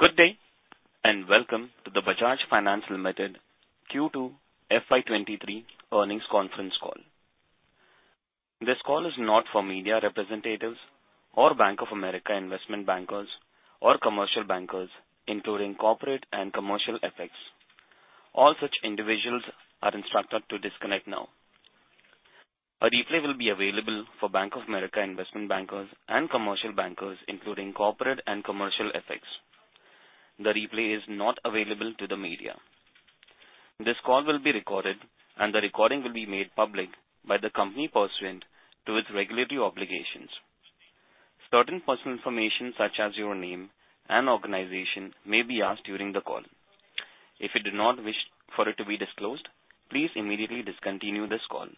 Good day, and welcome to the Bajaj Finance Limited Q2 FY23 earnings conference call. This call is not for media representatives or Bank of America investment bankers or commercial bankers, including corporate and commercial clients. All such individuals are instructed to disconnect now. A replay will be available for Bank of America investment bankers and commercial bankers, including corporate and commercial clients. The replay is not available to the media. This call will be recorded and the recording will be made public by the company pursuant to its regulatory obligations. Certain personal information such as your name and organization may be asked during the call. If you do not wish for it to be disclosed, please immediately discontinue this call.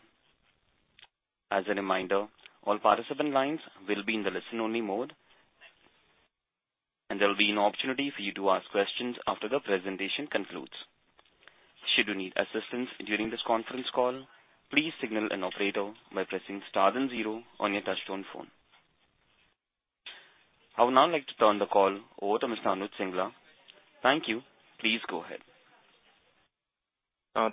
As a reminder, all participant lines will be in the listen-only mode, and there will be an opportunity for you to ask questions after the presentation concludes. Should you need assistance during this conference call, please signal an operator by pressing star then zero on your touch-tone phone. I would now like to turn the call over to Mr. Anuj Singla. Thank you. Please go ahead.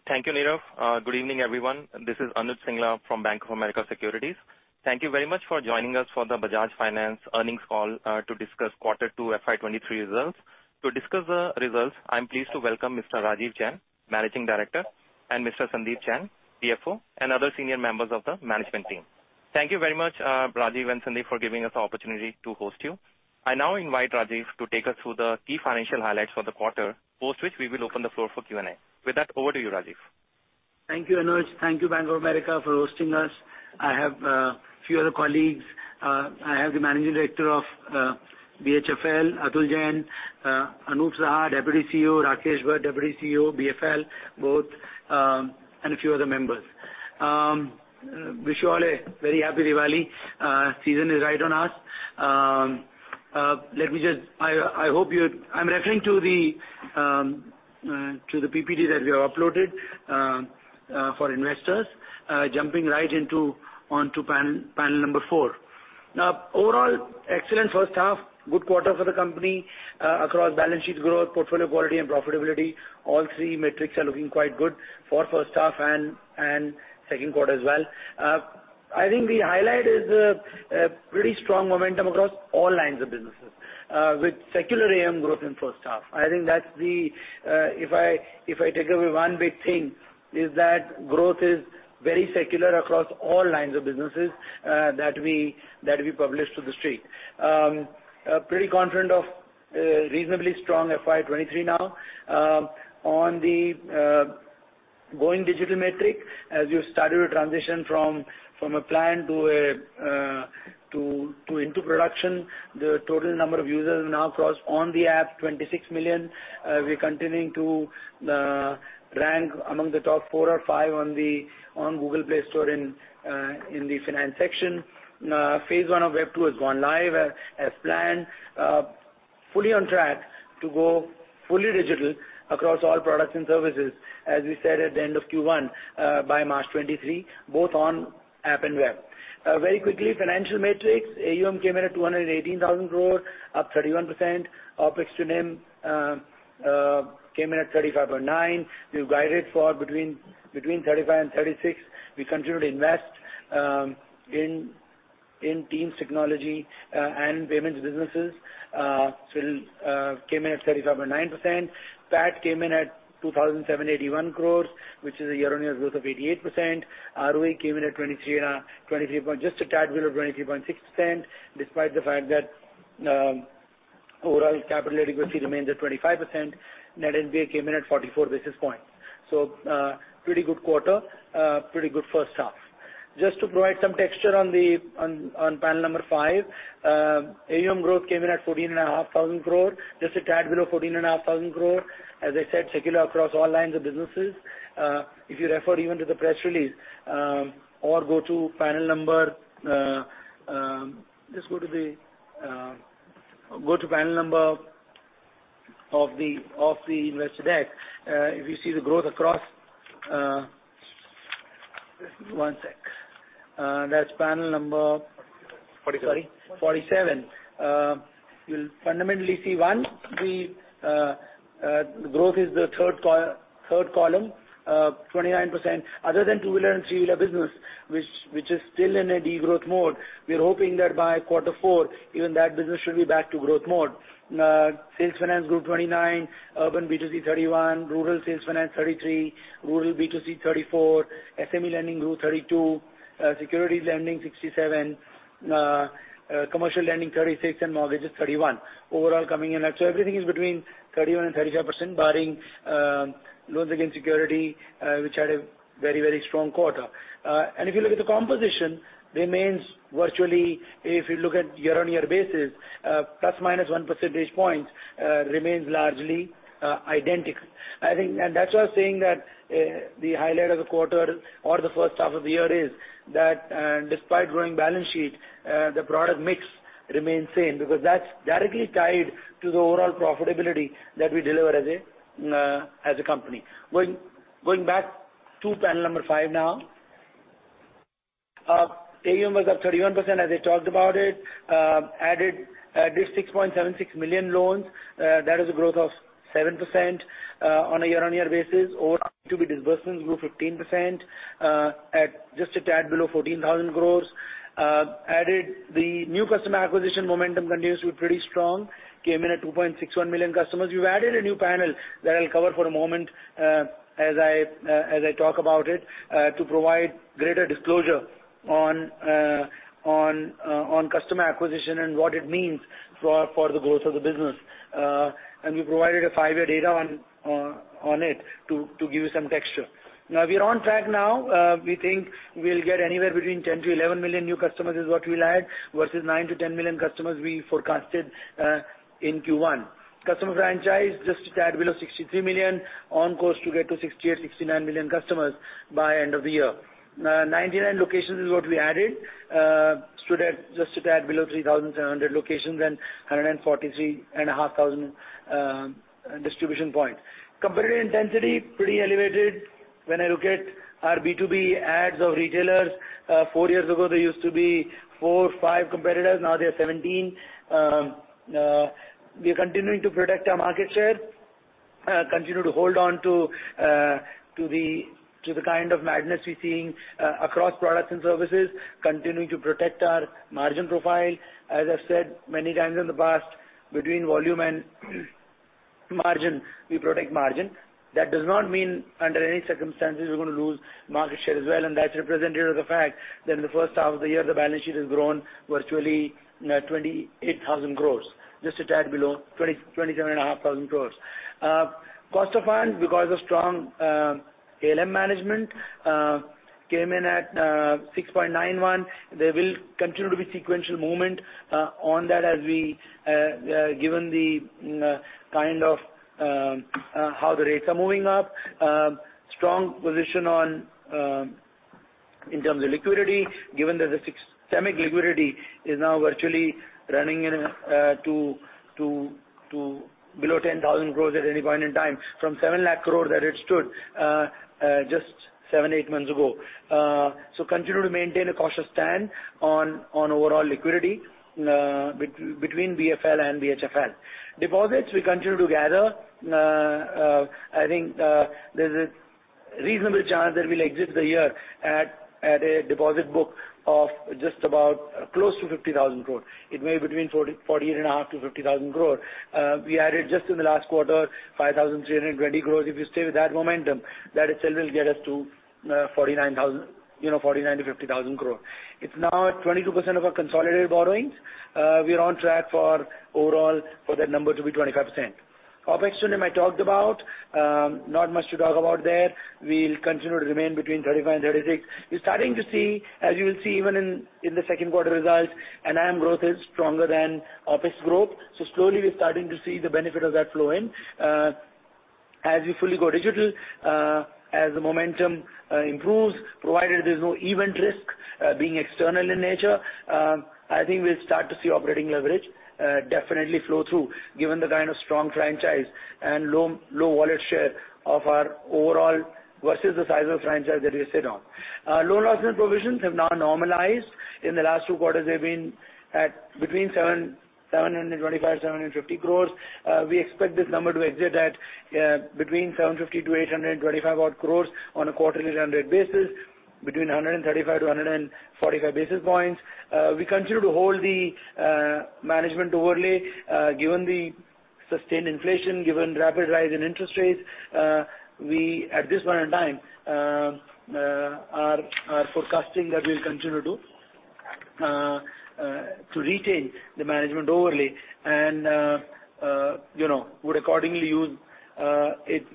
Thank you, Nikesh. Good evening, everyone. This is Anuj Singla from Bank of America Securities. Thank you very much for joining us for the Bajaj Finance earnings call to discuss quarter 2 FY 2023 results. To discuss the results, I'm pleased to welcome Mr. Rajeev Jain, Managing Director, and Mr. Sandeep Jain, CFO, and other senior members of the management team. Thank you very much, Rajeev and Sandeep for giving us the opportunity to host you. I now invite Rajeev to take us through the key financial highlights for the quarter, post which we will open the floor for Q&A. With that, over to you, Rajeev. Thank you, Anuj Singla. Thank you, Bank of America, for hosting us. I have few other colleagues. I have the Managing Director of BHFL, Atul Jain, Anup Saha, Deputy CEO, Rakesh Bhatt, Deputy CEO, BFL, both, and a few other members. Wish you all a very happy Diwali. Season is right on us. I'm referring to the PPT that we have uploaded for investors, jumping right onto panel number four. Now, overall, excellent first half, good quarter for the company, across balance sheet growth, portfolio quality and profitability. All three metrics are looking quite good for first half and second quarter as well. I think the highlight is the pretty strong momentum across all lines of businesses with secular AUM growth in first half. I think that's the if I take away one big thing is that growth is very secular across all lines of businesses that we publish to the street. Pretty confident of reasonably strong FY 2023 now. On the going digital metric, as we have started to transition from a plan to production, the total number of users now crosses on the app 26 million. We're continuing to rank among the top four or five on the Google Play Store in the finance section. Phase one of web two has gone live as planned. Fully on track to go fully digital across all products and services, as we said at the end of Q1, by March 2023, both on app and web. Very quickly, financial metrics. AUM came in at 218,000 crore, up 31%. OPEX to NIM came in at 35.9. We've guided for between 35 and 36. We continue to invest in teams, technology, and payments businesses. Came in at 35.9%. PAT came in at 2,781 crore, which is a year-on-year growth of 88%. ROE came in at just a tad below 23.6%, despite the fact that overall capital adequacy remains at 25%. Net NPA came in at 44 basis points. Pretty good quarter. Pretty good first half. Just to provide some texture on the panel number five. AUM growth came in at 14,500 crore. Just a tad below 14,500 crore. As I said, secular across all lines of businesses. If you refer even to the press release, or go to panel number. Just go to panel number of the investor deck. If you see the growth across. One sec. That's panel number- Forty-seven. Sorry. 47. You'll fundamentally see, one, the growth is the third column, 29%. Other than two-wheeler and three-wheeler business, which is still in a degrowth mode, we're hoping that by quarter four, even that business should be back to growth mode. Sales finance grew 29%, urban B2C 31%, rural sales finance 33%, rural B2C 34%, SME lending grew 32%, securities lending 67%, commercial lending 36%, and mortgage is 31%. Overall coming in at. Everything is between 31% and 35%, barring loans against security, which had a very strong quarter. If you look at the composition, remains virtually, if you look at year-on-year basis, plus minus 1 percentage point, remains largely identical. I think that's why I was saying that, the highlight of the quarter or the first half of the year is that, despite growing balance sheet, the product mix remains same because that's directly tied to the overall profitability that we deliver as a, as a company. Going back to panel number five now. AUM was up 31% as I talked about it, added 6.76 million loans. That is a growth of 7% on a year-on-year basis, overall disbursements grew 15% at just a tad below 14,000 crore. The new customer acquisition momentum continues to be pretty strong, came in at 2.61 million customers. We've added a new panel that I'll cover for a moment, as I talk about it, to provide greater disclosure on customer acquisition and what it means for the growth of the business. We provided a five-year data on it to give you some texture. Now we are on track. We think we'll get anywhere between 10-11 million new customers is what we'll add versus 9-10 million customers we forecasted in Q1. Customer franchise just a tad below 63 million on course to get to 68-69 million customers by end of the year. 99 locations is what we added, stood at just a tad below 3,700 locations and 143.5 thousand distribution points. Competitive intensity, pretty elevated. I look at our B2B adds of retailers, four years ago, there used to be 4 or 5 competitors, now there are 17. We are continuing to protect our market share, continue to hold on to the kind of madness we're seeing across products and services, continuing to protect our margin profile. As I've said many times in the past, between volume and margin, we protect margin. That does not mean under any circumstances we're gonna lose market share as well, and that's representative of the fact that in the first half of the year, the balance sheet has grown virtually 28,000 crore, just a tad below 27,500 crore. Cost of funds because of strong ALM management came in at 6.91%. There will continue to be sequential movement on that, given how the rates are moving up. Strong position in terms of liquidity, given that systemic liquidity is now virtually running into below 10,000 crore at any point in time from 7 lakh crore that it stood just 7-8 months ago. Continue to maintain a cautious stand on overall liquidity between BFL and BHFL. Deposits we continue to gather. I think there's a reasonable chance that we'll exit the year at a deposit book of just about close to 50,000 crore. It may be between 40, 48.5 to 50 thousand crore. We added just in the last quarter, 5,320 crore. If you stay with that momentum, that itself will get us to 49,000 crore, you know, 49,000-50,000 crore. It's now at 22% of our consolidated borrowings. We are on track for overall that number to be 25%. OPEX trend I talked about, not much to talk about there. We'll continue to remain between 35%-36%. We're starting to see, as you will see even in the second quarter results, AUM growth is stronger than OPEX growth. Slowly we're starting to see the benefit of that flow in. As we fully go digital, as the momentum improves, provided there's no event risk being external in nature, I think we'll start to see operating leverage definitely flow through given the kind of strong franchise and low wallet share of our overall versus the size of franchise that we sit on. Loan loss and provisions have now normalized. In the last two quarters, they've been at between 725 crore and 750 crore. We expect this number to exit at between 750 crore to 825 crore odd on a quarterly run rate basis, between 135 to 145 basis points. We continue to hold the management overlay, given the sustained inflation, given rapid rise in interest rates. We at this point in time are forecasting that we'll continue to retain the management overlay and, you know, would accordingly use it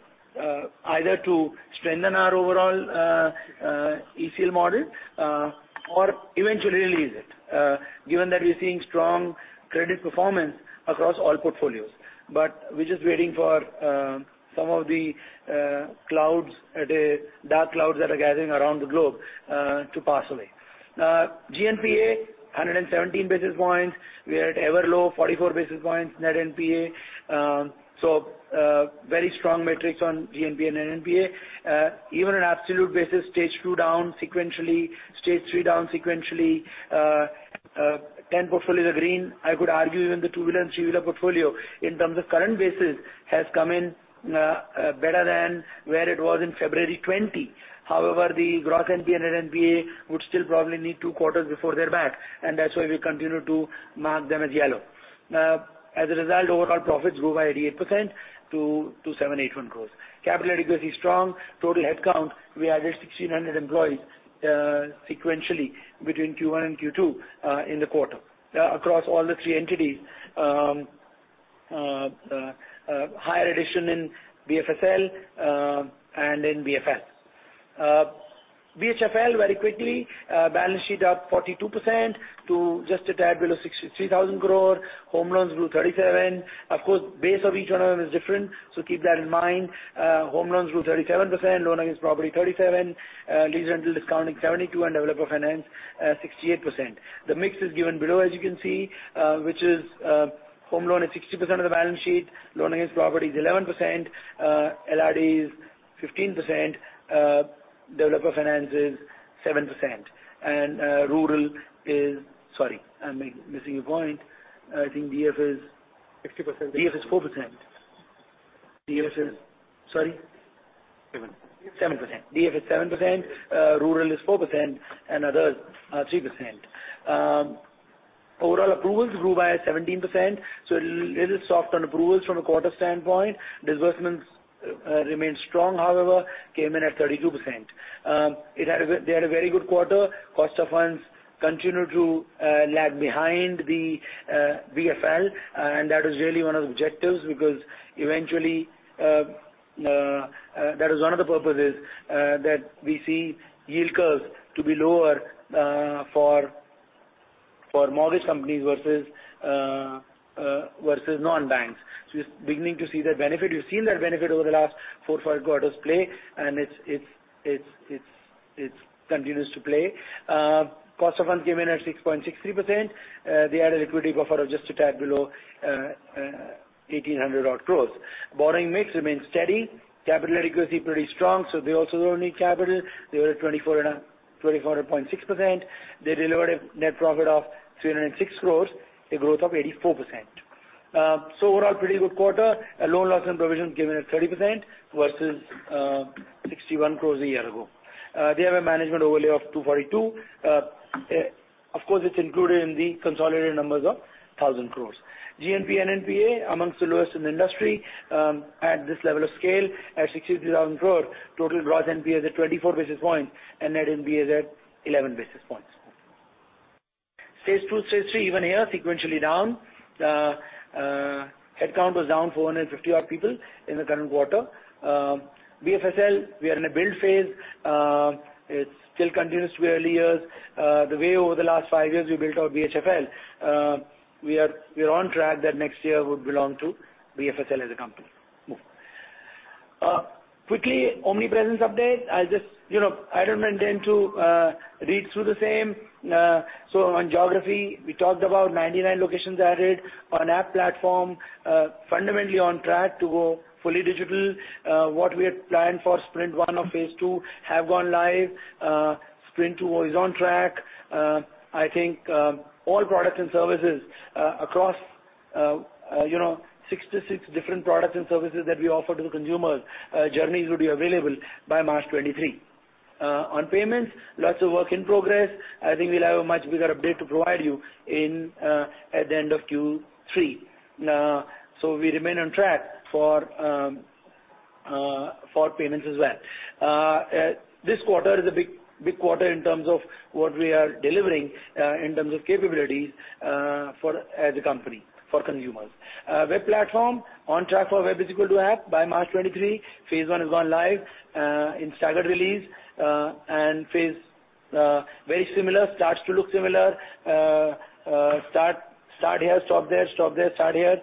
either to strengthen our overall ECL model, or eventually release it, given that we're seeing strong credit performance across all portfolios. We're just waiting for some of the clouds, the dark clouds that are gathering around the globe, to pass away. GNPA 117 basis points. We are at all-time low 44 basis points net NPA. Very strong metrics on GNPA and NPA. Even on absolute basis, stage two down sequentially, stage three down sequentially, 10 portfolios are green. I could argue even the two-wheeler and three-wheeler portfolio in terms of current basis has come in, better than where it was in February 2020. However, the gross NPA and net NPA would still probably need two quarters before they're back, and that's why we continue to mark them as yellow. As a result, overall profits grew by 88% to 781 crore. Capital adequacy is strong. Total headcount, we added 1,600 employees, sequentially between Q1 and Q2, in the quarter, across all the three entities. Headcount addition in BFSL, and in BFL. BHFL very quickly, balance sheet up 42% to just a tad below 63,000 crore. Home loans grew 37%. Of course, base of each one of them is different, so keep that in mind. Home loans grew 37%, loan against property 37%, lease rental discounting 72%, and developer finance 68%. The mix is given below as you can see, which is, home loan is 60% of the balance sheet, loan against property is 11%, LR is 15%, developer finance is 7% and rural is—sorry, I'm missing a point. I think DF is- 60%. DF is 4%. Sorry. Seven. 7%. DF is 7%, rural is 4% and others are 3%. Overall approvals grew by 17%, so a little soft on approvals from a quarter standpoint. Disbursements remained strong, however, came in at 32%. They had a very good quarter. Cost of funds continued to lag behind the BFL, and that was really one of the objectives because eventually that was one of the purposes that we see yield curves to be lower for mortgage companies versus non-banks. Just beginning to see that benefit. You've seen that benefit over the last four, five quarters play and it's continues to play. Cost of funds came in at 6.60%. They had a liquidity buffer of just a tad below 1,800-odd crore. Borrowing mix remains steady. Capital adequacy pretty strong, they also don't need capital. They were at 24.6%. They delivered a net profit of 306 crore, a growth of 84%. Overall pretty good quarter. Loan loss and provision came in at 30% versus 61 crore a year ago. They have a management overlay of 242 crore. Of course, it's included in the consolidated numbers of 1,000 crore. GNPA, NNPA amongst the lowest in the industry at this level of scale at 63,000 crore. Total gross NPAs at 24 basis points and net NPAs at 11 basis points. Phase two, phase three, even here sequentially down. Headcount was down 450-odd people in the current quarter. BFSL, we are in a build phase. It still continues to be early years. The way over the last five years we built our BHFL, we are on track that next year would belong to BFSL as a company. Move quickly, Omnipresence update. I'll just, you know, I don't intend to read through the same. On geography, we talked about 99 locations added. On app platform, fundamentally on track to go fully digital. What we had planned for sprint one of phase two have gone live. Sprint two is on track. I think all products and services across you know 66 different products and services that we offer to the consumers journeys will be available by March 2023. On payments, lots of work in progress. I think we'll have a much bigger update to provide you in at the end of Q3. We remain on track for payments as well. This quarter is a big quarter in terms of what we are delivering in terms of capabilities for as a company, for consumers. Web platform on track for web is equal to app by March 2023. Phase one has gone live in staggered release and phase very similar starts to look similar. Start here, stop there, start here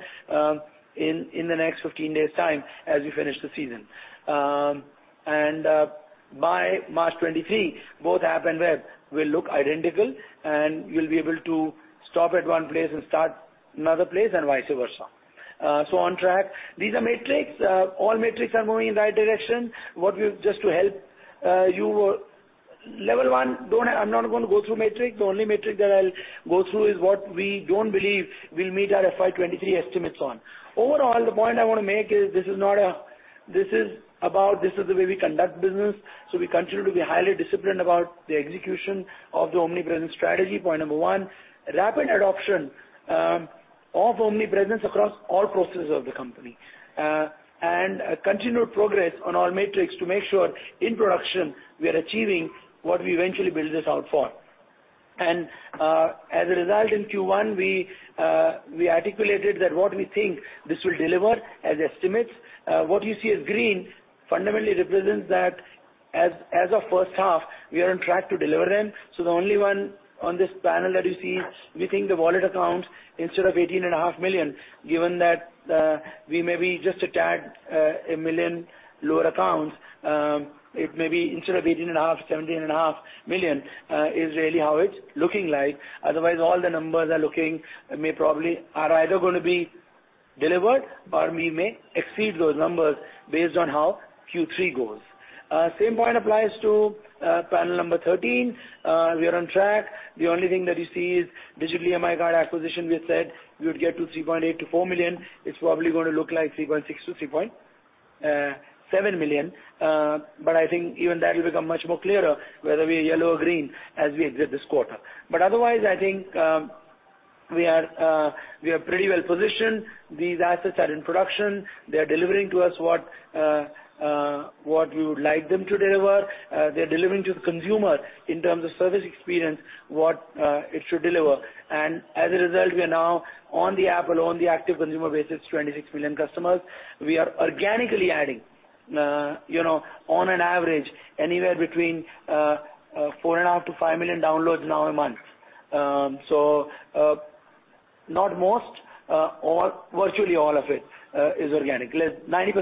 in the next 15 days' time as we finish the season. By March 2023, both app and web will look identical, and you'll be able to stop at one place and start another place and vice versa. On track. These are metrics. All metrics are moving in the right direction. Just to help you, level one, don't have. I'm not gonna go through metric. The only metric that I'll go through is what we don't believe we'll meet our FY 2023 estimates on. Overall, the point I wanna make is this is not a. This is about this is the way we conduct business. We continue to be highly disciplined about the execution of the Omnipresence strategy, point number one. Rapid adoption of Omnipresence across all processes of the company. Continued progress on our metrics to make sure in production we are achieving what we eventually build this out for. As a result, in Q1 we articulated that what we think this will deliver as estimates. What you see as green fundamentally represents that as of first half, we are on track to deliver them. The only one on this panel that you see, we think the wallet accounts instead of 18.5 million, given that we may be just a tad a million lower accounts, it may be instead of 18.5, 17.5 million, is really how it's looking like. Otherwise, all the numbers are looking. Maybe probably are either gonna be delivered or we may exceed those numbers based on how Q3 goes. Same point applies to panel number thirteen. We are on track. The only thing that you see is digital EMI Card acquisition. We had said we would get to 3.8-4 million. It's probably gonna look like 3.6-3.7 million. I think even that will become much more clearer whether we are yellow or green as we exit this quarter. Otherwise, I think we are pretty well positioned. These assets are in production. They are delivering to us what we would like them to deliver. They're delivering to the consumer in terms of service experience what it should deliver. As a result, we are now on the app alone the active consumer base is 26 million customers. We are organically adding on an average anywhere between 4.5-5 million downloads now a month. Virtually all of it is organic. 95%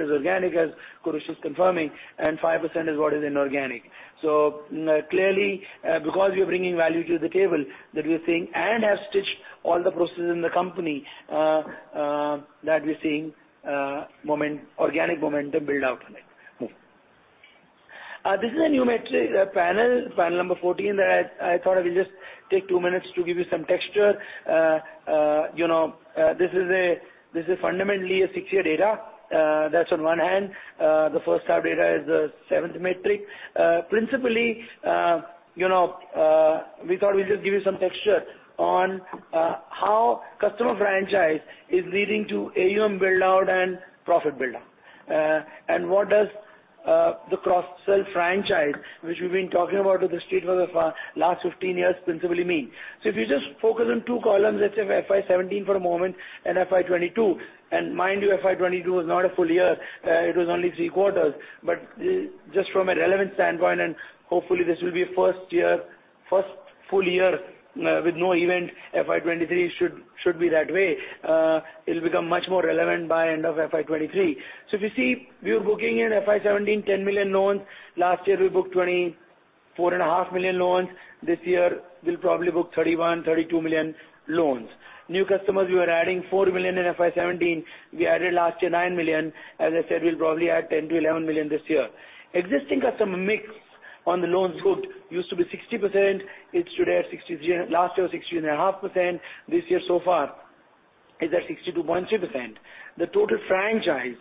is organic, as Kurush Irani is confirming, and 5% is what is inorganic. Clearly, because we are bringing value to the table that we are seeing, and have stitched all the processes in the company, that we're seeing organic momentum build out on it. Move. This is a new metric, panel number 14 that I thought I will just take 2 minutes to give you some texture. his is fundamentally a six-year data, that's on one hand. The first half data is the seventh metric. Principally, you know, we thought we'll just give you some texture on how customer franchise is leading to AUM build out and profit build up. What does the cross-sell franchise, which we've been talking about to the Street for the last 15 years principally mean? If you just focus on two columns, let's say FY 2017 for a moment and FY 2022, and mind you FY 2022 was not a full year, it was only 3 quarters. Just from a relevant standpoint, and hopefully this will be a first year, first full year with no event, FY 2023 should be that way. It'll become much more relevant by end of FY 2023. If you see we were booking in FY 2017 10 million loans. Last year we booked 24.5 million loans. This year we'll probably book 31-32 million loans. New customers, we were adding 4 million in FY 2017, we added last year 9 million. As I said, we'll probably add 10-11 million this year. Existing customer mix on the loans booked used to be 60%. It's today at 63%, last year was 60.5%. This year so far is at 62.2%. The total franchise,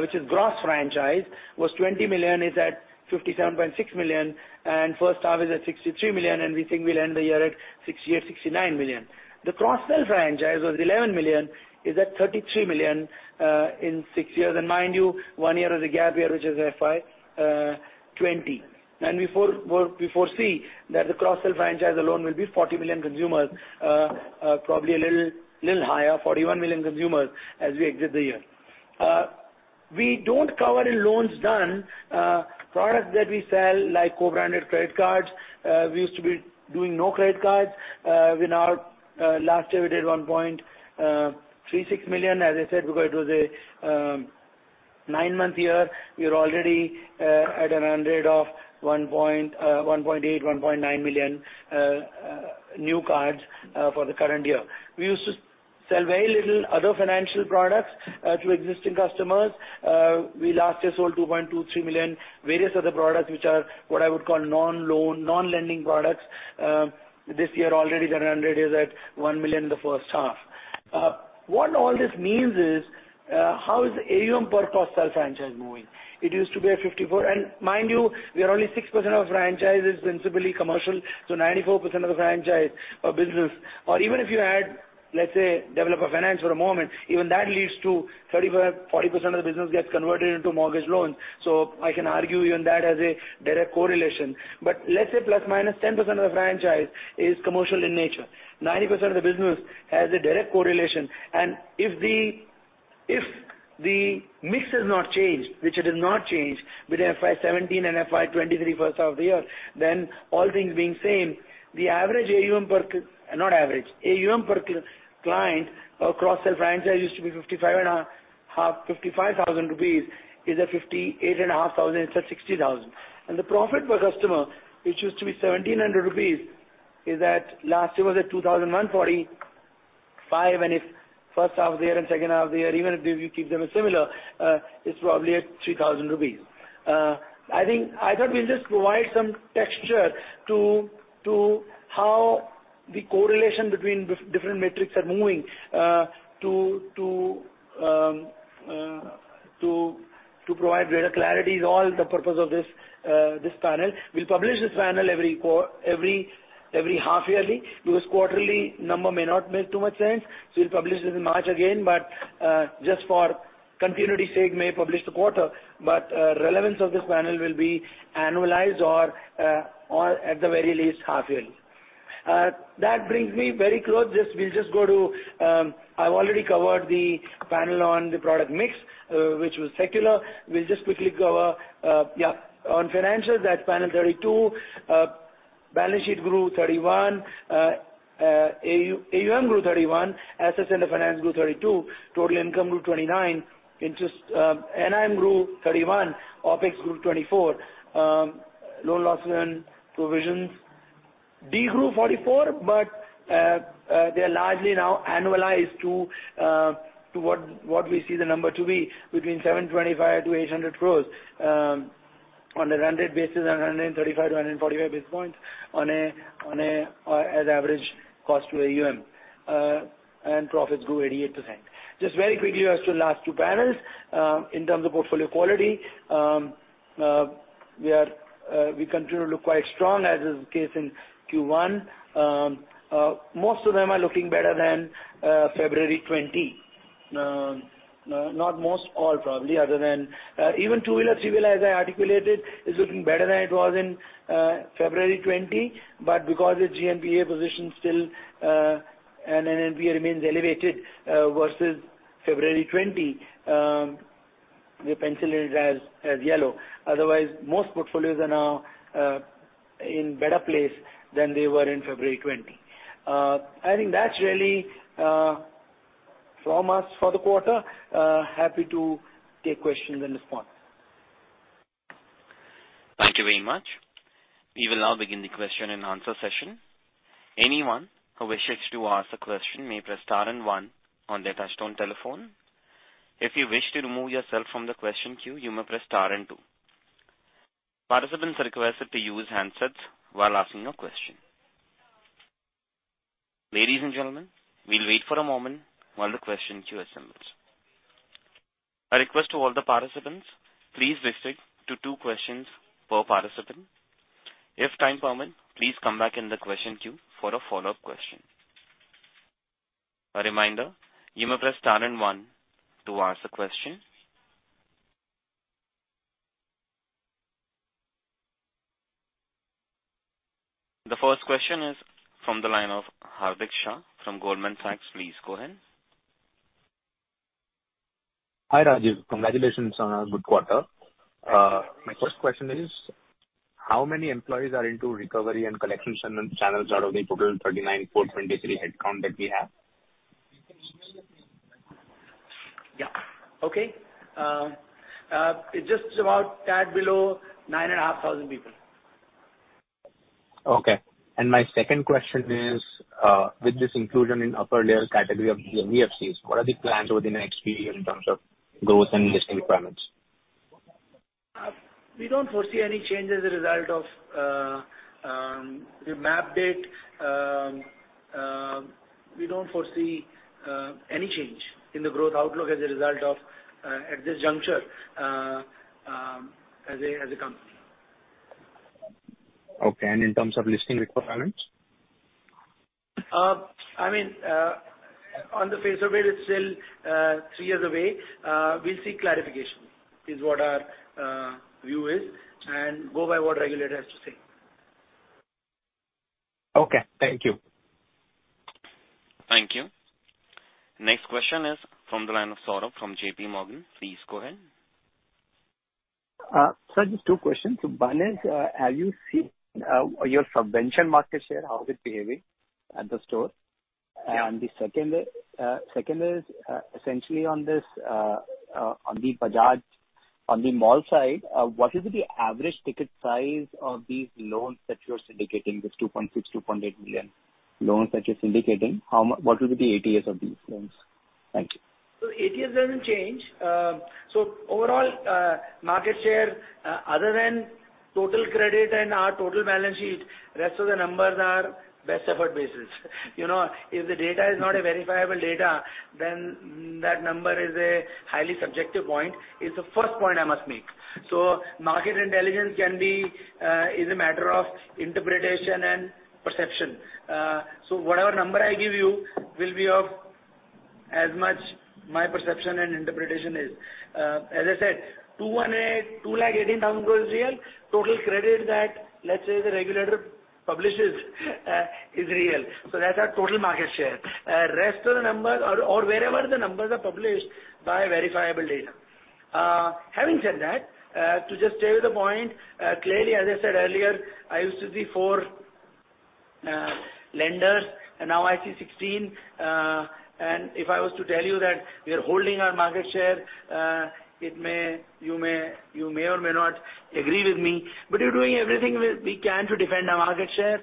which is gross franchise, was 20 million, is at 57.6 million, and first half is at 63 million, and we think we'll end the year at 68-69 million. The cross-sell franchise was 11 million, is at 33 million in 6 years. Mind you, one year is a gap year, which is FY 2020. We foresee that the cross-sell franchise alone will be 40 million consumers, probably a little higher, 41 million consumers as we exit the year. We don't cover in loans done products that we sell, like co-branded credit cards. We used to be doing no credit cards. We now last year we did 1.36 million. As I said, because it was a 9-month year, we are already at a run rate of 1.8, 1.9 million new cards for the current year. We used to sell very little other financial products to existing customers. We last year sold 2.23 million various other products, which are what I would call non-loan, non-lending products. This year already the run rate is at 1 million in the first half. What all this means is, how is the AUM per cross-sell franchise moving? It used to be at 54. Mind you, we are only 6% of franchise is principally commercial, so 94% of the franchise or business, or even if you add, let's say, developer finance for a moment, even that leads to 35%-40% of the business gets converted into mortgage loans. I can argue even that has a direct correlation. Let's say ±10% of the franchise is commercial in nature. 90% of the business has a direct correlation. If the mix has not changed, which it has not changed between FY 2017 and FY 2023 first half of the year, then all things being same, the AUM per client or cross-sell franchise used to be 55.5 thousand rupees, is at 58.5 thousand, it's at 60 thousand. The profit per customer, which used to be 1,700 rupees, is at, last year was at 2,145, and if first half of the year and second half of the year, even if you keep them as similar, it's probably at 3,000 rupees. I think, I thought we'll just provide some texture to how the correlation between different metrics are moving, to provide greater clarity is all the purpose of this panel. We'll publish this panel every half yearly because quarterly number may not make too much sense. We'll publish this in March again. Just for continuity sake, may publish the quarter, relevance of this panel will be annualized or at the very least half yearly. That brings me very close. We'll just go to, I've already covered the panel on the product mix, which was secular. We'll just quickly cover on financials that's panel 32. Balance sheet grew 31%. AUM grew 31%. Assets under finance grew 32%. Total income grew 29%. Interest, NIM grew 31%. OpEx grew 24%. Loan loss and provisions de-grew 44%, but they're largely now annualized to what we see the number to be between 725-800 crores. On a run rate basis and 135-145 basis points as average cost to AUM. Profits grew 88%. Just very quickly as to last two panels. In terms of portfolio quality, we continue to look quite strong as is the case in Q1. Most of them are looking better than February 2020. Not most, all probably other than. Even two-wheeler, three-wheeler, as I articulated, is looking better than it was in February 2020. Because the GNPA position still, NNPA remains elevated versus February 2020, we pencil it as yellow. Otherwise, most portfolios are now in better place than they were in February 2020. I think that's really from us for the quarter. Happy to take questions and respond. Thank you very much. We will now begin the question-and-answer session. Anyone who wishes to ask a question may press star and one on their touch-tone telephone. If you wish to remove yourself from the question queue, you may press star and two. Participants are requested to use handsets while asking your question. Ladies and gentlemen, we'll wait for a moment while the question queue assembles. A request to all the participants, please restrict to two questions per participant. If time permits, please come back in the question queue for a follow-up question. A reminder, you may press star and one to ask a question. The first question is from the line of Hardik Shah from Goldman Sachs. Please go ahead. Hi, Rajeev. Congratulations on a good quarter. My first question is how many employees are into recovery and collections channels out of the total 39.23 headcount that we have? Yeah. Okay. It's just a tad below 9,500 people. Okay. My second question is, with this inclusion in upper layer category of the NBFCs, what are the plans over the next few years in terms of growth and listing requirements? We don't foresee any change as a result of the repo rate. We don't foresee any change in the growth outlook as a result of, at this juncture, as a company. Okay. In terms of listing requirements? I mean, on the face of it's still three years away. We'll seek clarification is what our view is and go by what regulator has to say. Okay, thank you. Thank you. Next question is from the line of Saurabh from JP Morgan. Please go ahead. Sir, just two questions. Sir, have you seen your subvention market share, how is it behaving at the store? Yeah. The second is essentially on this, on the Bajaj, on the mall side, what is the average ticket size of these loans that you're syndicating, this 2.6-2.8 million loans that you're syndicating? What will be the ATS of these loans? Thank you. ATS doesn't change. Overall market share, other than total credit and our total balance sheet, rest of the numbers are best effort basis. You know, if the data is not a verifiable data, then, that number is a highly subjective point, is the first point I must make. Market intelligence is a matter of interpretation and perception. Whatever number I give you will be of as much my perception and interpretation is. As I said, 218, 2 lakh 18 thousand growth is real. Total credit, let's say, the regulator publishes, is real. That's our total market share. Rest of the numbers or wherever the numbers are published by verifiable data. Having said that, to just stay with the point, clearly, as I said earlier, I used to see 4 lenders and now I see 16. If I was to tell you that we are holding our market share, you may or may not agree with me, but we're doing everything we can to defend our market share.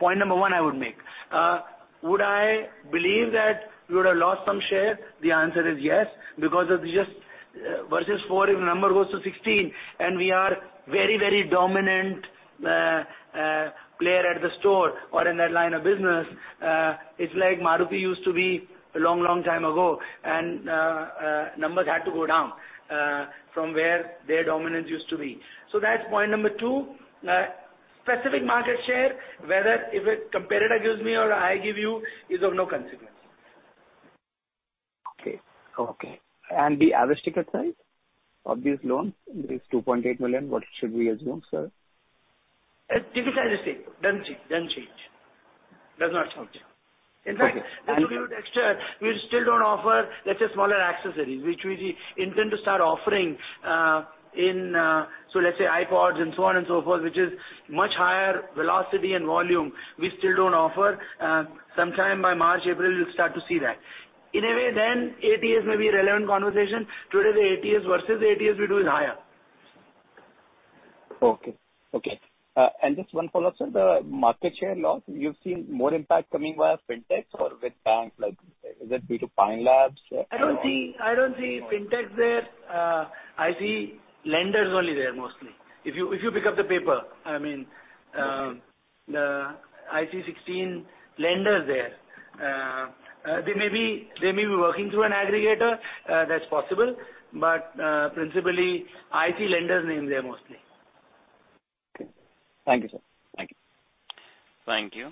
Point number one I would make. Would I believe that we would have lost some share? The answer is yes, because of just versus 4 if number goes to 16 and we are very, very dominant player at the store or in that line of business. It's like Maruti used to be a long, long time ago and numbers had to go down from where their dominance used to be. That's point number 2. Specific market share, whether if a competitor gives me or I give you, is of no consequence. The average ticket size of these loans is 2.8 million. What should we assume, sir? It's difficult to say. Does not change. Okay. In fact, just to give you a texture, we still don't offer, let's say, smaller accessories, which we intend to start offering, so let's say AirPods and so on and so forth, which is much higher velocity and volume. We still don't offer. Sometime by March, April, you'll start to see that. In a way, then ATS may be a relevant conversation. Today, the ATS versus the ATS we do is higher. Just one follow-up, sir. The market share loss, you've seen more impact coming via Fintechs or with banks? Like, is it due to Fintechs or- I don't see Fintechs there. I see lenders only there mostly. If you pick up the paper, I mean, I see 16 lenders there. They may be working through an aggregator. That's possible. Principally, I see lenders' names there mostly. Okay. Thank you, sir. Thank you. Thank you.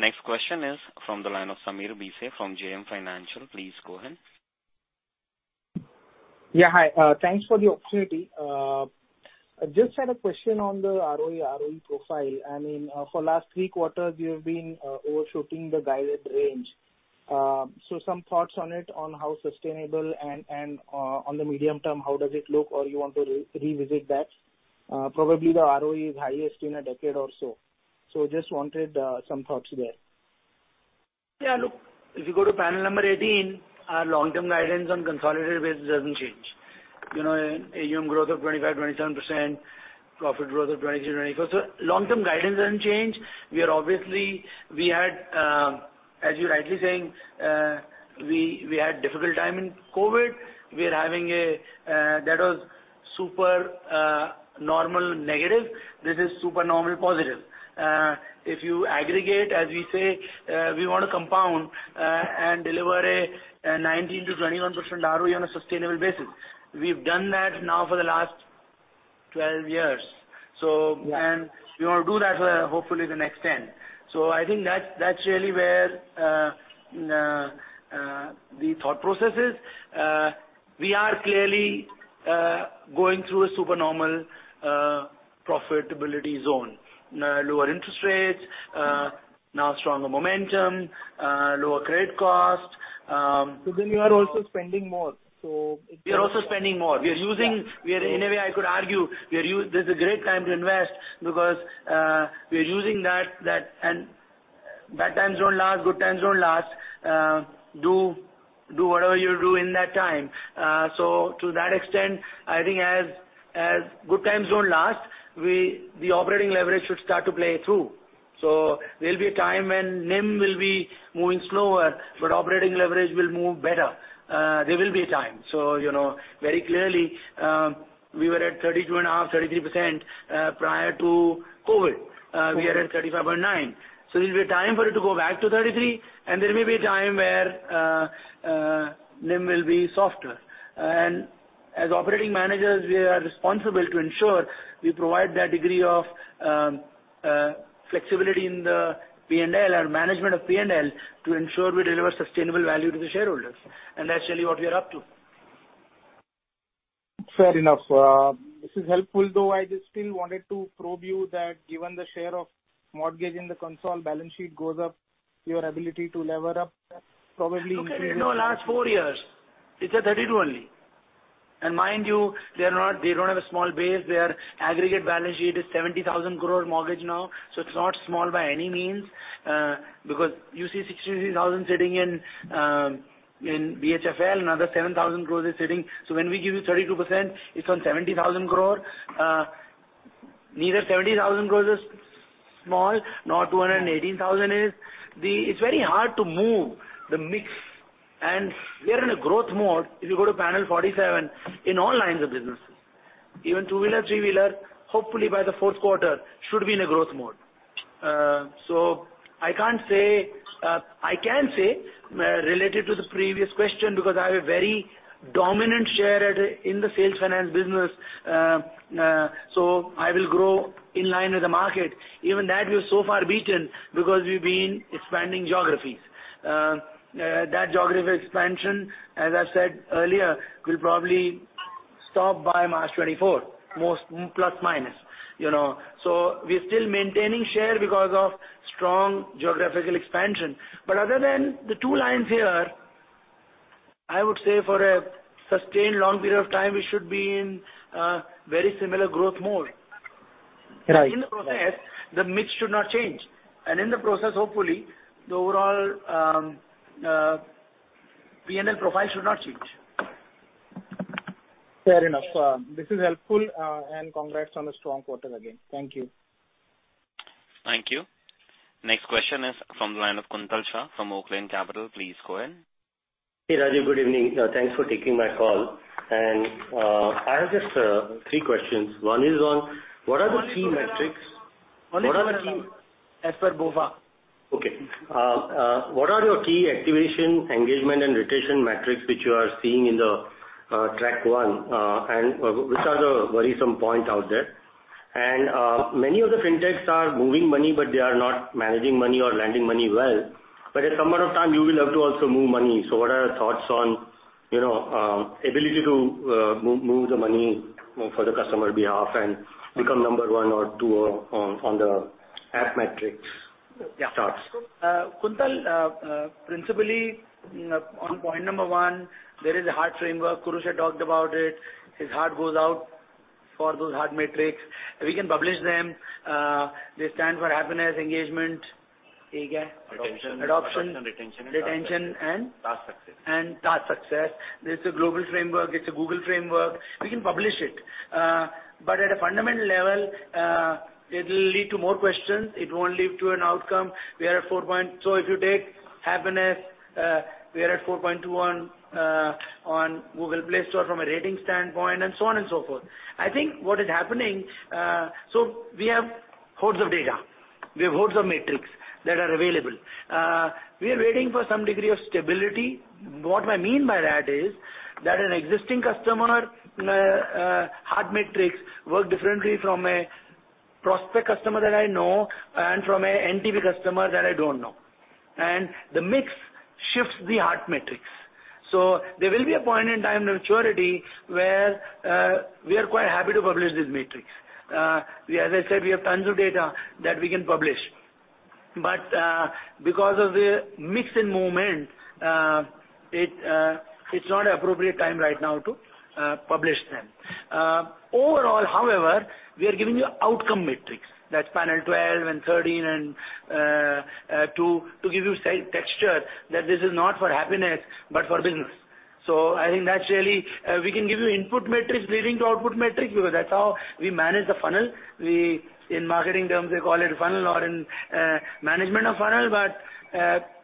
Next question is from the line of Sameer Bhise from JM Financial. Please go ahead. Yeah. Hi. Thanks for the opportunity. I just had a question on the ROE profile. I mean, for last three quarters, you have been overshooting the guided range. So some thoughts on it on how sustainable and on the medium term, how does it look? Or you want to revisit that? Probably the ROE is highest in a decade or so. Just wanted some thoughts there. If you go to panel number 18, our long-term guidance on consolidated basis doesn't change. You know, AUM growth of 25%-27%, profit growth of 23%-24%. Long-term guidance doesn't change. We had, as you're rightly saying, we had difficult time in COVID. We are having a, that was supernormal negative. This is supernormal positive. If you aggregate, as we say, we want to compound and deliver a 19%-21% ROE on a sustainable basis. We've done that now for the last 12 years. We want to do that for hopefully the next 10. I think that's really where the thought process is. We are clearly going through a supernormal profitability zone. Lower interest rates, now stronger momentum, lower credit cost. You are also spending more. We are also spending more. We are using Yeah. In a way, I could argue this is a great time to invest because we are using that and bad times don't last, good times don't last. Do whatever you do in that time. To that extent, I think as good times don't last, the operating leverage should start to play through. There'll be a time when NIM will be moving slower, but operating leverage will move better. There will be a time. You know, very clearly, we were at 32.5-33% prior to COVID. We are at 35.9%. There'll be a time for it to go back to 33%, and there may be a time where NIM will be softer. As operating managers, we are responsible to ensure we provide that degree of flexibility in the P&L, our management of P&L, to ensure we deliver sustainable value to the shareholders. That's really what we are up to. Fair enough. This is helpful, though I just still wanted to probe you that given the share of mortgage in the consolidated balance sheet goes up, your ability to lever up probably- Look at, you know, last 4 years, it's at 32 only. Mind you, they don't have a small base. Their aggregate balance sheet is 70,000 crore mortgage now. It's not small by any means, because you see 63,000 sitting in BHFL, another 7,000 crore is sitting. When we give you 32%, it's on 70,000 crore. Neither 70,000 crore is small, nor 218,000 is. It's very hard to move the mix. We are in a growth mode, if you go to panel 47, in all lines of businesses. Even two-wheeler, three-wheeler, hopefully by the fourth quarter should be in a growth mode. I can say related to the previous question, because I have a very dominant share in the sales finance business, so I will grow in line with the market. Even that we are so far beating because we've been expanding geographies. That geographic expansion, as I said earlier, will probably stop by March 2024, most plus minus, you know. We're still maintaining share because of strong geographical expansion. Other than the two lines here, I would say for a sustained long period of time, we should be in a very similar growth mode. Right. In the process, the mix should not change. In the process, hopefully, the overall P&L profile should not change. Fair enough. This is helpful, and congrats on a strong quarter again. Thank you. Thank you. Next question is from the line of Kuntal Shah from Oaklane Capital Management. Please go ahead. Hey, Rajeev, good evening. Thanks for taking my call. I have just three questions. One is on what are the key metrics. One is for. What are the key? As per BofA. Okay. What are your key activation, engagement, and retention metrics which you are seeing in the track one, and which are the worrisome point out there? Many of the fintechs are moving money, but they are not managing money or lending money well. At some point of time, you will have to also move money. What are your thoughts on, you know, ability to move the money on behalf of the customer and become number one or two on the app metrics charts? Yeah, Kuntal, principally, you know, on point number one, there is a HEART framework. Kurush said, talked about it. His heart goes out for those HEART metrics. We can publish them. They stand for happiness, engagement. Adoption. Adoption. Adoption, retention, and task success. Retention, and? Task success. Task success. This is a global framework. It's a Google framework. We can publish it. But at a fundamental level, it'll lead to more questions. It won't lead to an outcome. We are at 4.2. If you take happiness, we are at 4.2 on Google Play Store from a rating standpoint and so on and so forth. I think what is happening, so we have hordes of data. We have hordes of metrics that are available. We are waiting for some degree of stability. What I mean by that is that an existing customer, HEART metrics work differently from a prospect customer that I know and from a NTP customer that I don't know. The mix shifts the HEART metrics. There will be a point in time maturity where we are quite happy to publish these metrics. We, as I said, have tons of data that we can publish. Because of the mix in movement, it's not appropriate time right now to publish them. Overall, however, we are giving you outcome metrics. That's panel 12 and 13 and to give you texture that this is not for happiness, but for business. I think that's really, we can give you input metrics leading to output metrics because that's how we manage the funnel. In marketing terms, we call it a funnel or in management of funnel, but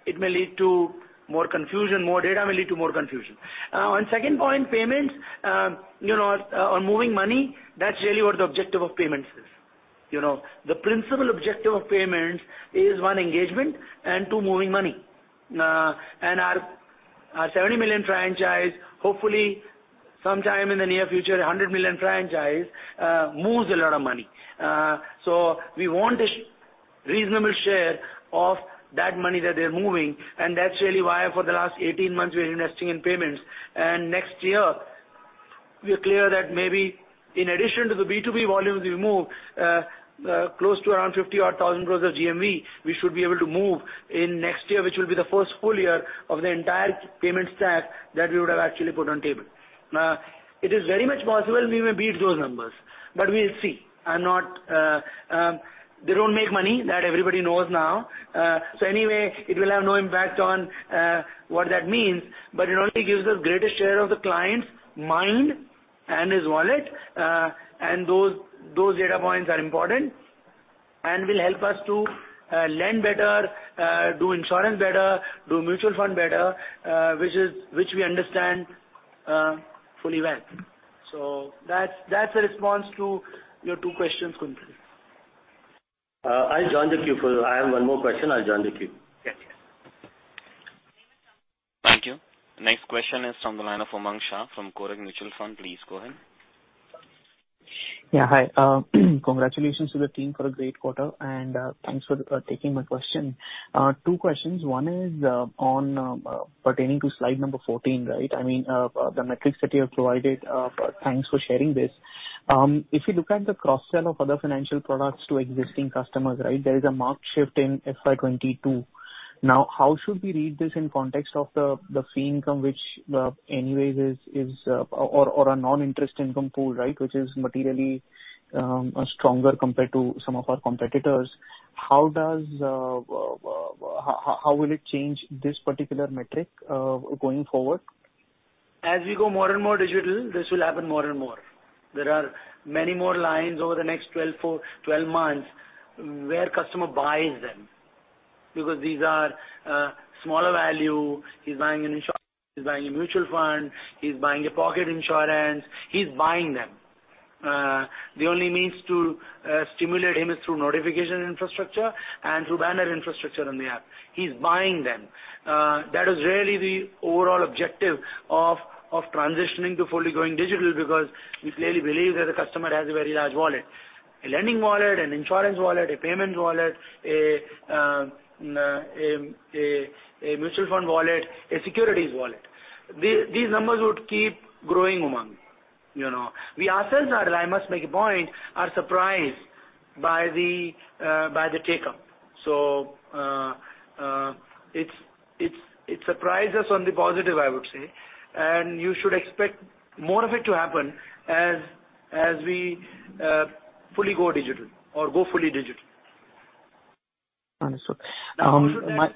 it may lead to more confusion. More data may lead to more confusion. On second point, payments, you know, on moving money, that's really what the objective of payments is, you know. The principal objective of payments is, one, engagement, and two, moving money. Our 70 million franchise, hopefully sometime in the near future, a 100 million franchise, moves a lot of money. We want a reasonable share of that money that they're moving, and that's really why for the last 18 months we're investing in payments. Next year, we are clear that maybe in addition to the B2B volumes we move, close to around 50 crore or 1,000 crore of GMV, we should be able to move in next year, which will be the first full year of the entire payment stack that we would have actually put on table. It is very much possible we may beat those numbers, but we'll see. They don't make money, that everybody knows now. Anyway, it will have no impact on what that means, but it only gives us greatest share of the client's mind and his wallet. Those data points are important and will help us to lend better, do insurance better, do mutual fund better, which we understand fully well. That's a response to your two questions, Kuntal. I have one more question. I'll join the queue. Yes. Yes. Thank you. Next question is from the line of Umang Shah from Kotak Mutual Fund. Please go ahead. Yeah. Hi. Congratulations to the team for a great quarter, and thanks for taking my question. Two questions. One is on pertaining to slide number 14, right? I mean, the metrics that you have provided, thanks for sharing this. If you look at the cross-sell of other financial products to existing customers, right? There is a marked shift in FY 2022. Now, how should we read this in context of the fee income which anyways is or a non-interest income pool, right? Which is materially stronger compared to some of our competitors. How will it change this particular metric going forward? As we go more and more digital, this will happen more and more. There are many more lines over the next 12 for 12 months where customer buys them because these are smaller value. He's buying an insurance, he's buying a mutual fund, he's buying a pocket insurance, he's buying them. The only means to stimulate him is through notification infrastructure and through banner infrastructure in the app. He's buying them. That is really the overall objective of transitioning to fully going digital because we clearly believe that the customer has a very large wallet. A lending wallet, an insurance wallet, a payments wallet, a mutual fund wallet, a securities wallet. These numbers would keep growing among, you know. We ourselves are, and I must make a point, are surprised by the take-up. It surprises us on the positive, I would say, and you should expect more of it to happen as we go fully digital. Understood.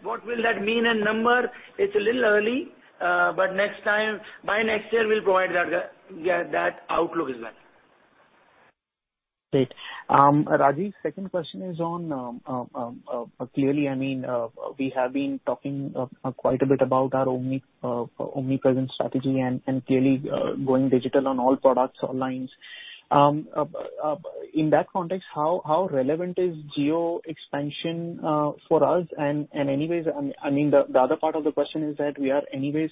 What will that mean in number? It's a little early, but next time, by next year we'll provide that, yeah, that outlook as well. Great. Rajeev, second question is on clearly, I mean, we have been talking quite a bit about our omnipresent strategy and clearly going digital on all products or lines. In that context, how relevant is geo expansion for us? Anyways, I mean, the other part of the question is that we are anyways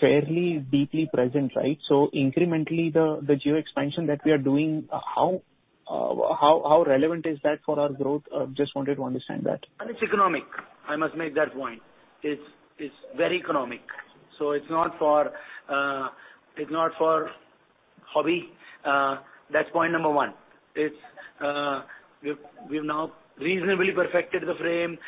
fairly deeply present, right? Incrementally, the geo expansion that we are doing, how relevant is that for our growth? Just wanted to understand that. It's economic. I must make that point. It's very economic. It's not for hobby. That's point number one. We've now reasonably perfected the frame.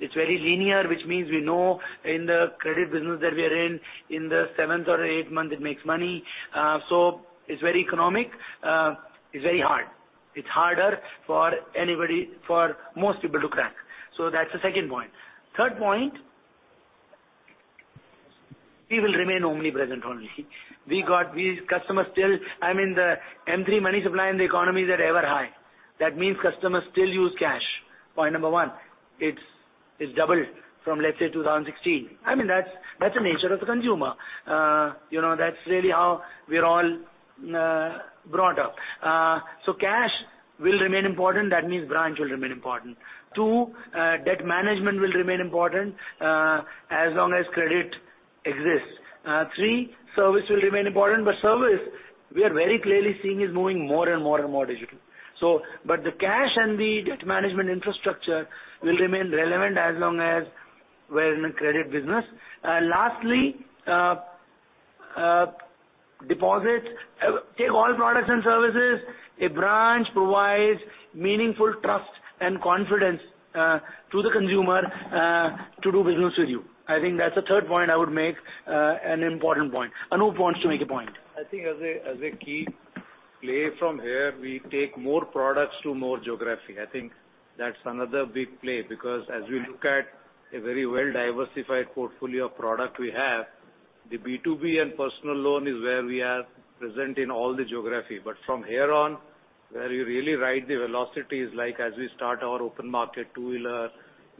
It's very linear, which means we know in the credit business that we are in the seventh or eighth month it makes money. It's very economic. It's very hard. It's harder for anybody, for most people to crack. That's the second point. Third point, we will remain omnipresent only. Customers still use cash, point number one. I mean, the M3 money supply in the economy is at all-time high. That means customers still use cash. It's doubled from, let's say, 2016. I mean, that's the nature of the consumer. You know, that's really how we're all brought up. Cash will remain important, that means branch will remain important. Two, debt management will remain important, as long as credit exists. Three, service will remain important, but service, we are very clearly seeing is moving more and more and more digital. But the cash and the debt management infrastructure will remain relevant as long as we're in a credit business. Lastly, deposits take all products and services. A branch provides meaningful trust and confidence to the consumer to do business with you. I think that's the third point I would make, an important point. Anup wants to make a point. I think as a key play from here, we take more products to more geographies. I think that's another big play because as we look at a very well-diversified portfolio of products we have, the B2B and personal loan is where we are present in all the geographies, but from here on, where you really ride the velocities, like as we start our open market, two-wheeler,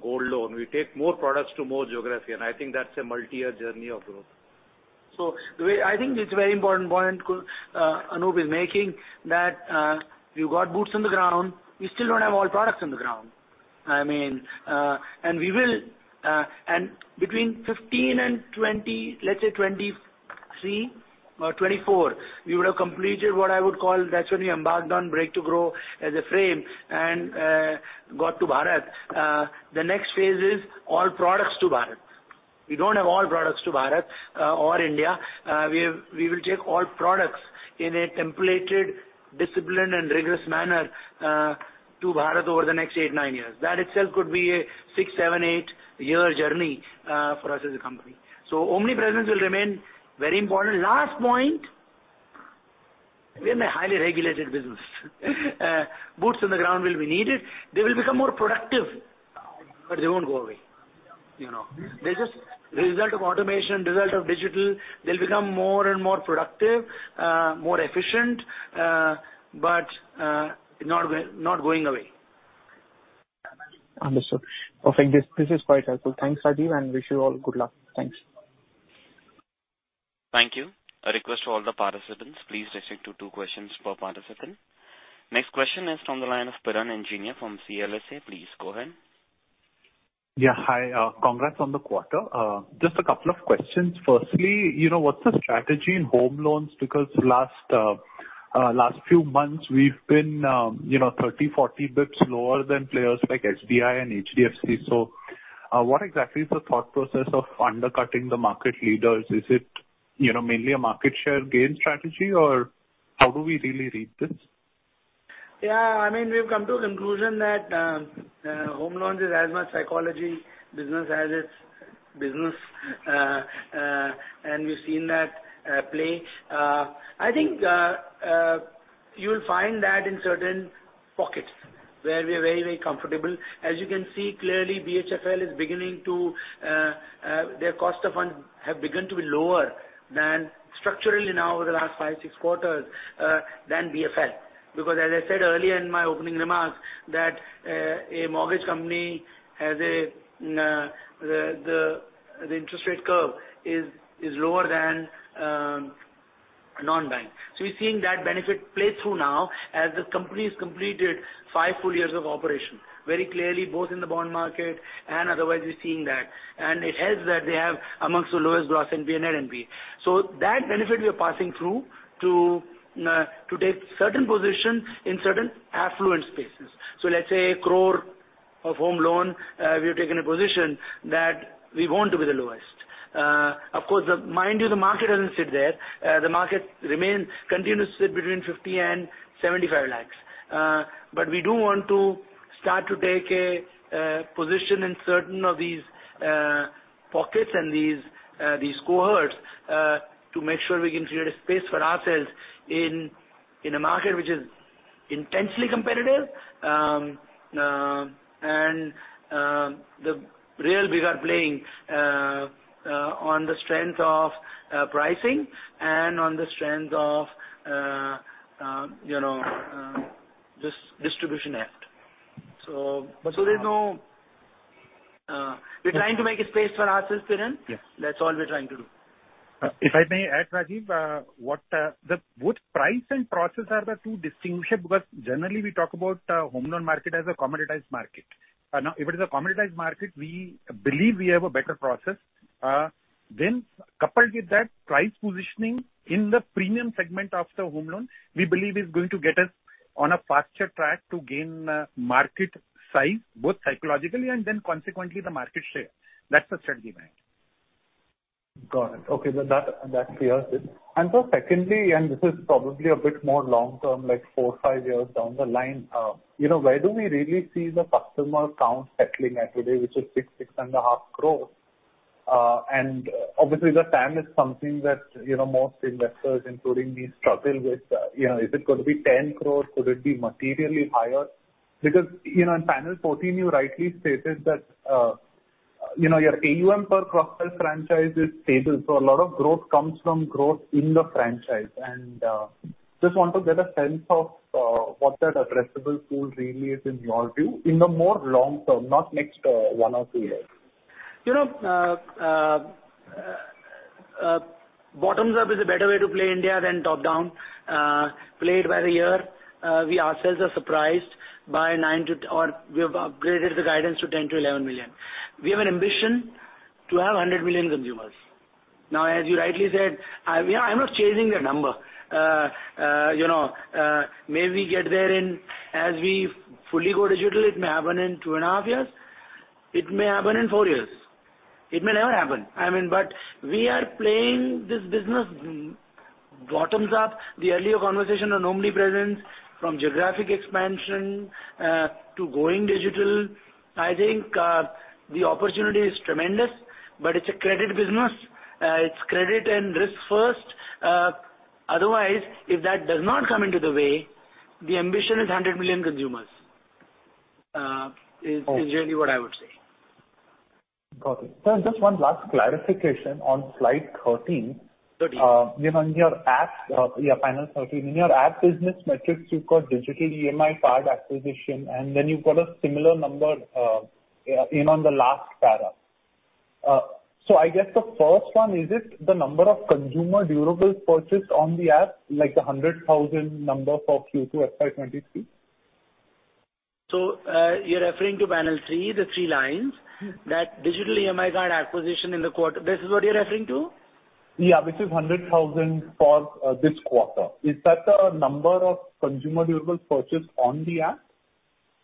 gold loan, we take more products to more geographies, and I think that's a multi-year journey of growth. The way I think it's a very important point Anup is making, that you got boots on the ground. You still don't have all products on the ground. I mean, and we will, and between 15 and 20, let's say 2023 or 2024, we would have completed what I would call, that's when we embarked on bricks to grow as a franchise and got to Bharat. The next phase is all products to Bharat. We don't have all products to Bharat, or India. We will take all products in a templated, disciplined and rigorous manner to Bharat over the next eight, nine years. That itself could be a six, seven, eight-year journey for us as a company. Omnipresence will remain very important. Last point, we're in a highly regulated business. Boots on the ground will be needed. They will become more productive, but they won't go away. You know? Mm-hmm. They just the result of automation, result of digital. They'll become more and more productive, more efficient, but not going away. Understood. Perfect. This is quite helpful. Thanks, Rajeev, and wish you all good luck. Thanks. Thank you. A request to all the participants, please restrict to two questions per participant. Next question is from the line of Piran Engineer from CLSA. Please go ahead. Yeah, hi. Congrats on the quarter. Just a couple of questions. Firstly, you know, what's the strategy in home loans? Because last few months we've been, you know, 30, 40 basis points lower than players like SBI and HDFC. What exactly is the thought process of undercutting the market leaders? Is it, you know, mainly a market share gain strategy, or how do we really read this? I mean, we've come to a conclusion that home loans is as much psychology business as it's business. We've seen that play. I think you'll find that in certain pockets where we're very, very comfortable. As you can see clearly, their cost of funds have begun to be lower than BFL structurally now over the last 5, 6 quarters. Because as I said earlier in my opening remarks, that a mortgage company has a lower interest rate curve than non-bank. So we're seeing that benefit play through now as the company's completed 5 full years of operation, very clearly, both in the bond market and otherwise we're seeing that. It helps that they have among the lowest gross NPA and net NPA. That benefit we are passing through to take certain positions in certain affluent spaces. Let's say 1 crore home loan, we have taken a position that we want to be the lowest. Of course, mind you, the market doesn't sit there. The market remains, continues to sit between 50-75 lakhs. We do want to start to take a position in certain of these pockets and these cohorts to make sure we can create a space for ourselves in a market which is intensely competitive. The real bigs are playing on the strength of pricing and on the strength of, you know, distribution heft. But- There's no. Yeah. We're trying to make a space for ourselves, Piran. Yes. That's all we're trying to do. If I may add, Rajeev, both price and process are the two distinguishers because generally we talk about home loan market as a commoditized market. Now if it is a commoditized market, we believe we have a better process. Coupled with that price positioning in the premium segment of the home loan, we believe is going to get us on a faster track to gain market size, both psychologically and then consequently the market share. That's the strategy behind it. Got it. Okay. That clears it. Second, this is probably a bit more long-term, like 4 or 5 years down the line, you know, where do we really see the customer count settling at today, which is 6-6.5 crores? And obviously the TAM is something that, you know, most investors, including me, struggle with. You know, is it gonna be 10 crores? Could it be materially higher? Because, you know, in FY14 you rightly stated that, you know, your AUM per cross sell franchise is stable, so a lot of growth comes from growth in the franchise. Just want to get a sense of, what that addressable pool really is in your view, in the more long term, not next, 1 or 2 years. Bottoms up is a better way to play India than top down. Played by the year, we ourselves are surprised by 9-10, or we have upgraded the guidance to 10-11 million. We have an ambition to have 100 million consumers. Now, as you rightly said, you know, I'm not chasing a number. Maybe we get there, as we fully go digital, it may happen in 2.5 years, it may happen in 4 years. It may never happen. I mean, we are playing this business bottoms up. The earlier conversation on omnipresence, from geographic expansion, to going digital, I think, the opportunity is tremendous, but it's a credit business. It's credit and risk first. Otherwise, if that does not come into the way, the ambition is 100 million consumers. Okay. is really what I would say. Got it. Sir, just one last clarification on slide 13. Thirteen. Panel 13. In your app business metrics, you've got digital EMI card acquisition, and then you've got a similar number in on the last para. I guess the first one, is it the number of consumer durables purchased on the app, like the 100,000 number for Q2 FY 2022? You're referring to panel three, the three lines. Mm-hmm. That digital EMI card acquisition in the quarter. This is what you're referring to? Yeah. Which is 100,000 for this quarter. Is that the number of consumer durables purchased on the app?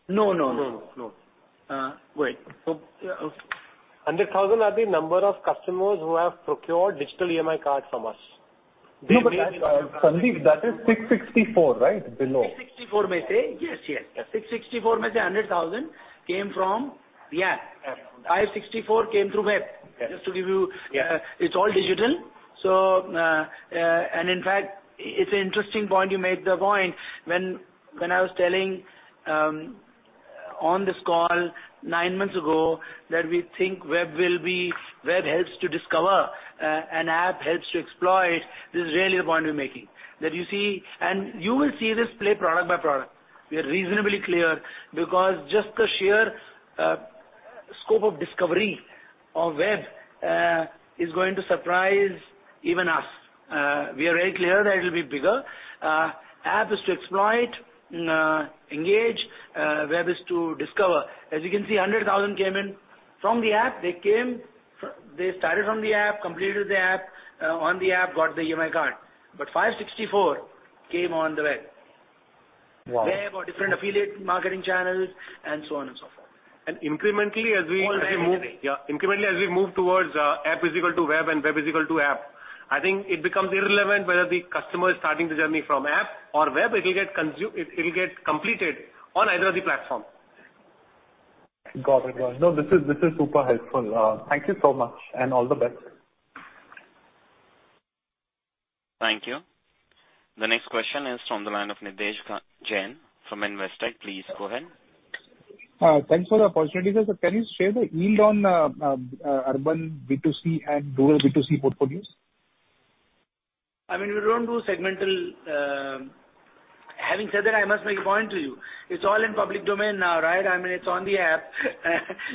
No, no. No. 100,000 are the number of customers who have procured digital EMI Card from us. No, Sandeep, that is 664, right? Below. 664. Yes, yes. Yes. 664,000 came from the app. App. 564 came through web. Okay. Just to give you. Yeah. It's all digital. In fact, it's an interesting point you made when I was telling on this call nine months ago that we think web helps to discover, and app helps to exploit. This is really the point we're making. That you see. You will see this play product by product. We are reasonably clear because just the sheer scope of discovery of web is going to surprise even us. We are very clear that it will be bigger. App is to exploit, engage, web is to discover. As you can see, 100,000 came in from the app. They came, they started from the app, completed the app on the app, got the EMI Card. But 564 came on the web. Wow! Web or different affiliate marketing channels and so on and so forth. Incrementally as we All day, every day. Yeah. Incrementally, as we move towards app is equal to web and web is equal to app, I think it becomes irrelevant whether the customer is starting the journey from app or web. It'll get completed on either of the platforms. Got it. Got it. No, this is super helpful. Thank you so much and all the best. Thank you. The next question is from the line of Nischint Chawathe from Investec. Please go ahead. Thanks for the opportunity, sir. Can you share the yield on urban B2C and rural B2C portfolios? I mean, we don't do segmental. Having said that, I must make a point to you. It's all in public domain now, right? I mean, it's on the app.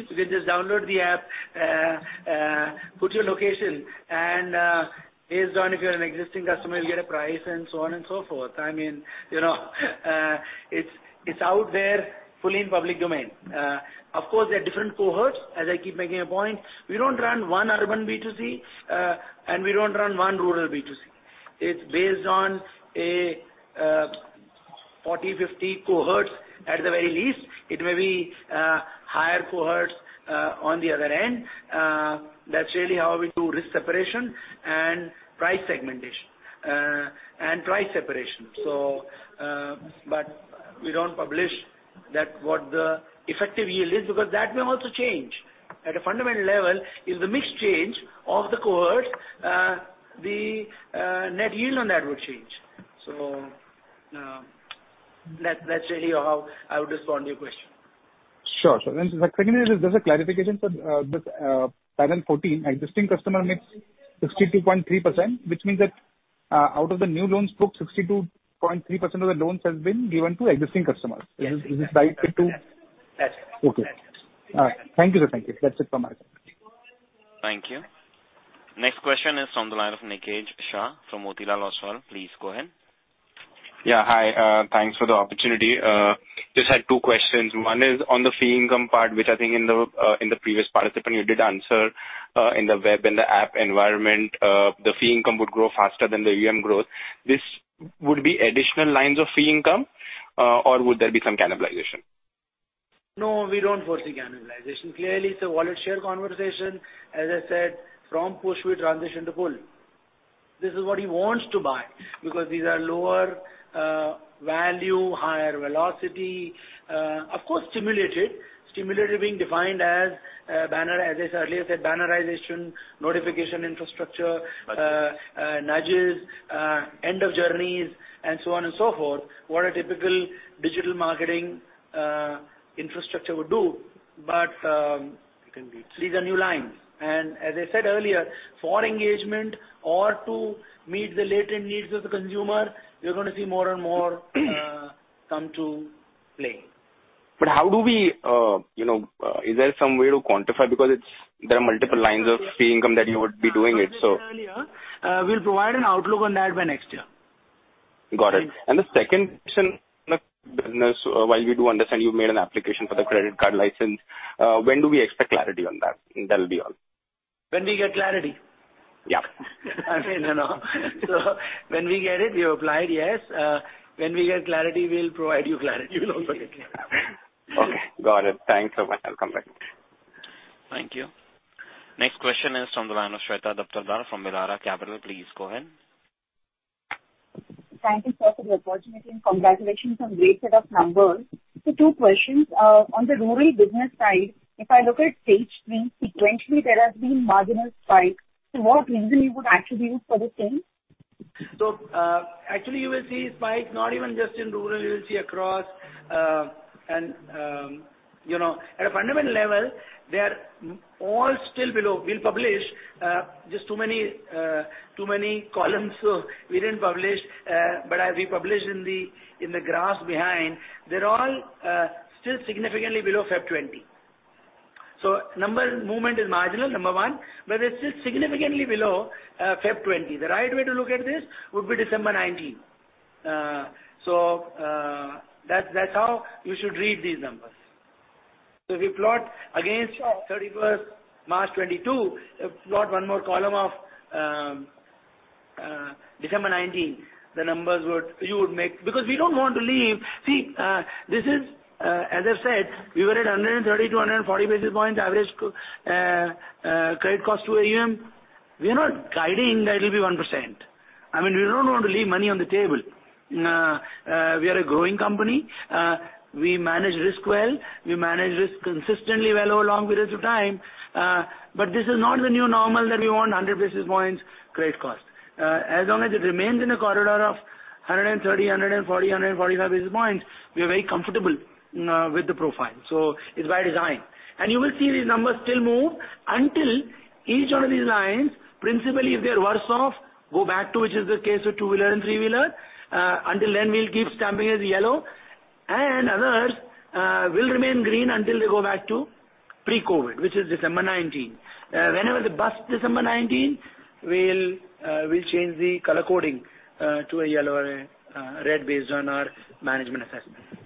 You can just download the app, put your location and, based on if you're an existing customer, you'll get a price and so on and so forth. I mean, you know, it's out there fully in public domain. Of course, there are different cohorts, as I keep making a point. We don't run one urban B2C, and we don't run one rural B2C. It's based on a 40, 50 cohorts at the very least. It may be higher cohorts on the other end. That's really how we do risk separation and price segmentation, and price separation. We don't publish that what the effective yield is because that may also change. At a fundamental level, if the mix change of the cohort, the net yield on that would change. That's really how I would respond to your question. Sure. The second is just a clarification for this panel 14. Existing customer makes 62.3%, which means that out of the new loans booked, 62.3% of the loans has been given to existing customers. Yes. Is this right? That's it. Okay. That's it. All right. Thank you, sir. Thank you. That's it from my side. Thank you. Next question is from the line of Niket Shah from Motilal Oswal. Please go ahead. Yeah, hi. Thanks for the opportunity. Just had two questions. One is on the fee income part, which I think in the previous participant you did answer, in the web and the app environment, the fee income would grow faster than the EMI growth. This would be additional lines of fee income, or would there be some cannibalization? No, we don't foresee cannibalization. Clearly, it's a wallet share conversation. As I said, from push we transition to pull. This is what he wants to buy because these are lower value, higher velocity, of course, stimulated. Stimulated being defined as bannerization, notification infrastructure. Got it. Nudges, end of journeys and so on and so forth, what a typical digital marketing infrastructure would do. It can be. These are new lines. As I said earlier, for engagement or to meet the latent needs of the consumer, you're gonna see more and more, come to play. How do we, you know, is there some way to quantify? Because it's, there are multiple lines of fee income that you would be doing it, so. As I said earlier, we'll provide an outlook on that by next year. Got it. Thanks. The second question on the business, while we do understand you've made an application for the credit card license, when do we expect clarity on that? That'll be all. When we get clarity. Yeah. I mean, you know. When we get clarity, we'll provide you clarity. We'll also get clarity. Okay, got it. Thanks so much. I'll come back. Thank you. Next question is from the line of Shweta Daptardar from Elara Capital. Please go ahead. Thank you, sir, for the opportunity, and congratulations on great set of numbers. Two questions. On the rural business side, if I look at stage three, sequentially, there has been marginal spikes. What reason you would attribute for the same? Actually, you will see spikes not even just in rural, you will see across, and you know. At a fundamental level, they're all still below. We'll publish just too many columns, so we didn't publish. But as we publish in the graphs behind, they're all still significantly below February 2020. Number movement is marginal, number one, but they're still significantly below February 2020. The right way to look at this would be December 2019. That's how you should read these numbers. If you plot against Sure. 31st March 2022, if you plot one more column of December 2019, the numbers would. You would make. Because we don't want to leave. See, this is, as I said, we were at 130-140 basis points average credit cost to AUM. We are not guiding that it'll be 1%. I mean, we don't want to leave money on the table. We are a growing company. We manage risk well. We manage risk consistently well over long periods of time. This is not the new normal that we want 100 basis points credit cost. As long as it remains in a corridor of 130, 140, 145 basis points, we are very comfortable with the profile. It's by design. You will see these numbers still move until each one of these lines, principally if they're worse off, go back to, which is the case with two-wheeler and three-wheeler. Until then, we'll keep stamping as yellow. Others will remain green until they go back to pre-COVID, which is December 2019. Whenever they bust December 2019, we'll change the color coding to a yellow or a red based on our management assessment.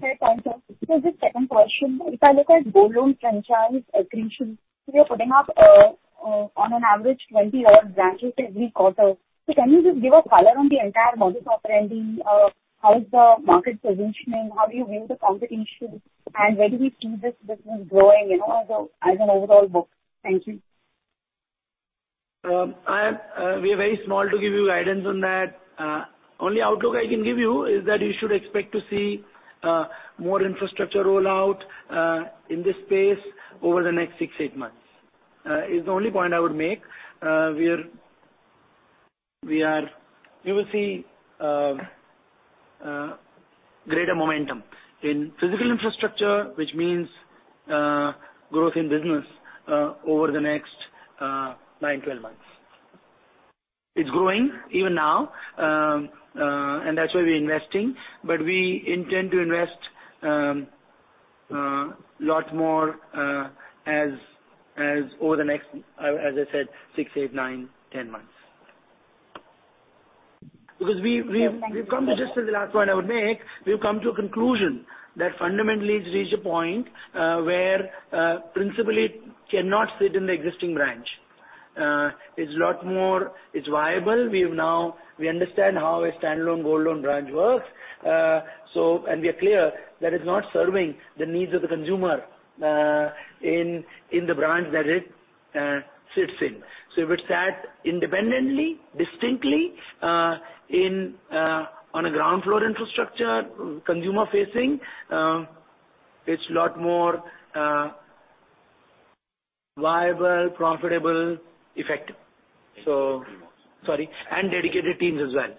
Fair point, sir. The second question, if I look at gold loan franchise accretion, you're putting up, on an average 20-odd branches every quarter. Can you just give a color on the entire modus operandi? How is the market positioning? How do you view the competition? And where do we see this business growing, you know, as an overall book? Thank you. We are very small to give you guidance on that. Only outlook I can give you is that you should expect to see more infrastructure rollout in this space over the next 6-8 months. Is the only point I would make. You will see greater momentum in physical infrastructure, which means growth in business over the next 9-12 months. It's growing even now, and that's why we're investing. We intend to invest lot more as over the next, as I said, 6-10 months. Because we've come to Okay. Thank you. Just as the last point I would make, we've come to a conclusion that fundamentally it's reached a point where principally it cannot sit in the existing branch. It's a lot more viable. We understand how a standalone gold loan branch works. We are clear that it's not serving the needs of the consumer in the branch that it sits in. If it sat independently, distinctly, on a ground floor infrastructure, consumer facing, it's a lot more viable, profitable, effective. Few more seconds. Sorry, and dedicated teams as well.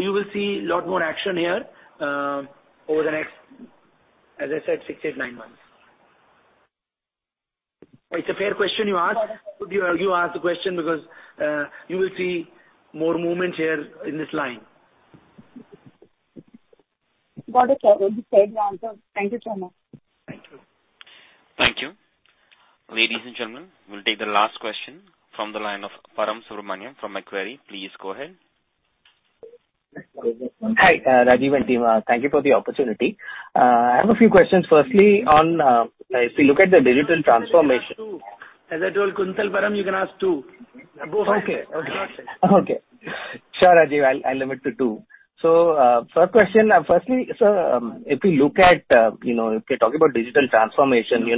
You will see a lot more action here, over the next, as I said, 6, 8, 9 months. It's a fair question you asked. Got it. You asked the question because you will see more movement here in this line. Got it, sir. Well, you've said your answer. Thank you so much. Thank you. Thank you. Ladies and gentlemen, we'll take the last question from the line of Param Subramanian from Macquarie. Please go ahead. Good afternoon. Hi, Rajeev and team. Thank you for the opportunity. I have a few questions. Firstly, on, if we look at the digital transformation- As I told Kuntal, Param, you can ask two. Go for it. Sure, Rajeev. I'll limit to two. First question. Firstly, if we look at, you know, if we're talking about digital transformation,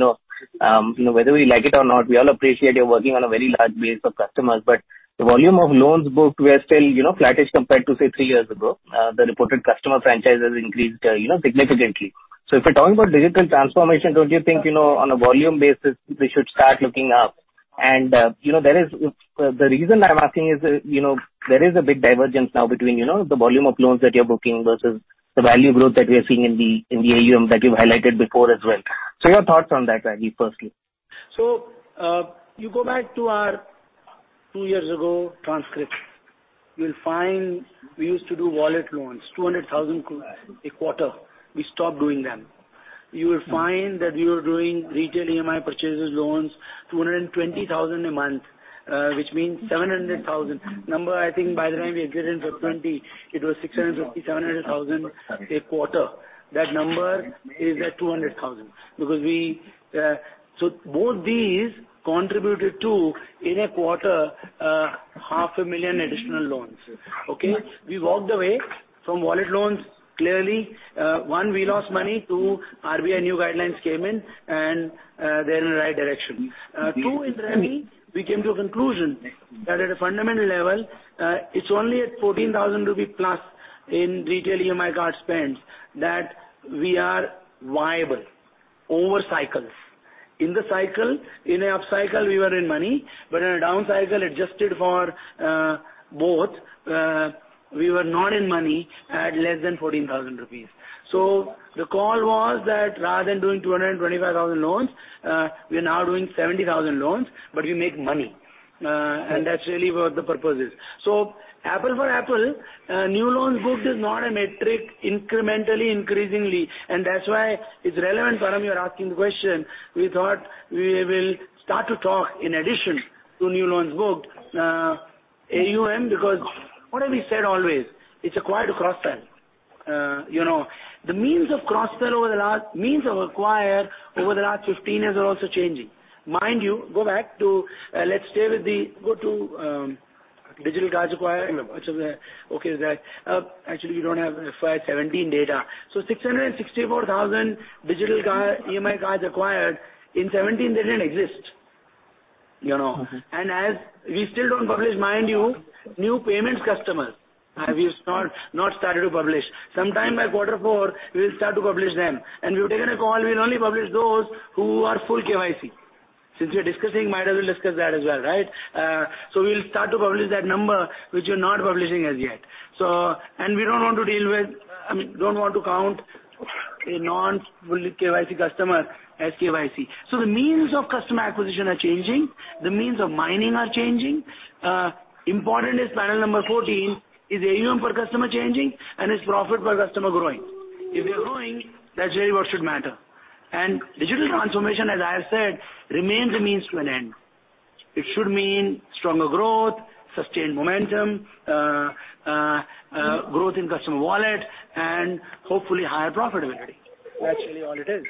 you know, whether we like it or not, we all appreciate you're working on a very large base of customers, but the volume of loans booked were still, you know, flattish compared to, say, three years ago. The reported customer franchise has increased, you know, significantly. If we're talking about digital transformation, don't you think, you know, on a volume basis, we should start looking up? The reason I'm asking is that, you know, there is a big divergence now between, you know, the volume of loans that you're booking versus the value growth that we are seeing in the AUM that you've highlighted before as well. Your thoughts on that, Rajeev, firstly? You go back to our two years ago transcript, you'll find we used to do wallet loans, 200,000 a quarter. We stopped doing them. You will find that we were doing retail EMI purchases loans, 220,000 a month, which means 700,000. Number, I think by the time we exited February 2020, it was 650,000, 700,000 a quarter. That number is at 200,000 because we. Both these contributed to, in a quarter, 500,000 additional loans. Yes. Okay? We walked away from wallet loans, clearly. One, we lost money. Two, RBI new guidelines came in, and they're in the right direction. We came to a conclusion that at a fundamental level, it's only at 14,000 rupee plus in retail EMI card spends that we are viable over cycles. In an up cycle, we were in money, but in a down cycle, adjusted for both, we were not in money at less than 14,000 rupees. The call was that rather than doing 225,000 loans, we are now doing 70,000 loans, but we make money. And that's really what the purpose is. Apple for apple, new loans booked is not a metric incrementally, increasingly, and that's why it's relevant, Param. You're asking the question, we thought we will start to talk in addition to new loans booked, AUM, because what have we said always? It's acquired across time. You know, the means of acquire over the last 15 years are also changing. Mind you, go to digital cards acquire. No problem. Okay, Zach. Actually, you don't have FY 2017 data. 664,000 digital EMI cards acquired. In 2017 they didn't exist, you know. Mm-hmm. As we still don't publish, mind you, new payments customers. We've not started to publish. Sometime by quarter four, we'll start to publish them. We've taken a call, we'll only publish those who are full KYC. Since we are discussing, might as well discuss that as well, right? We'll start to publish that number, which we're not publishing as yet. We don't want to deal with, I mean, don't want to count a non-fully KYC customer as KYC. The means of customer acquisition are changing, the means of mining are changing. Important is panel number 14, is AUM per customer changing and is profit per customer growing? If they're growing, that's really what should matter. Digital transformation, as I have said, remains a means to an end. It should mean stronger growth, sustained momentum, growth in customer wallet and hopefully higher profitability. That's really all it is.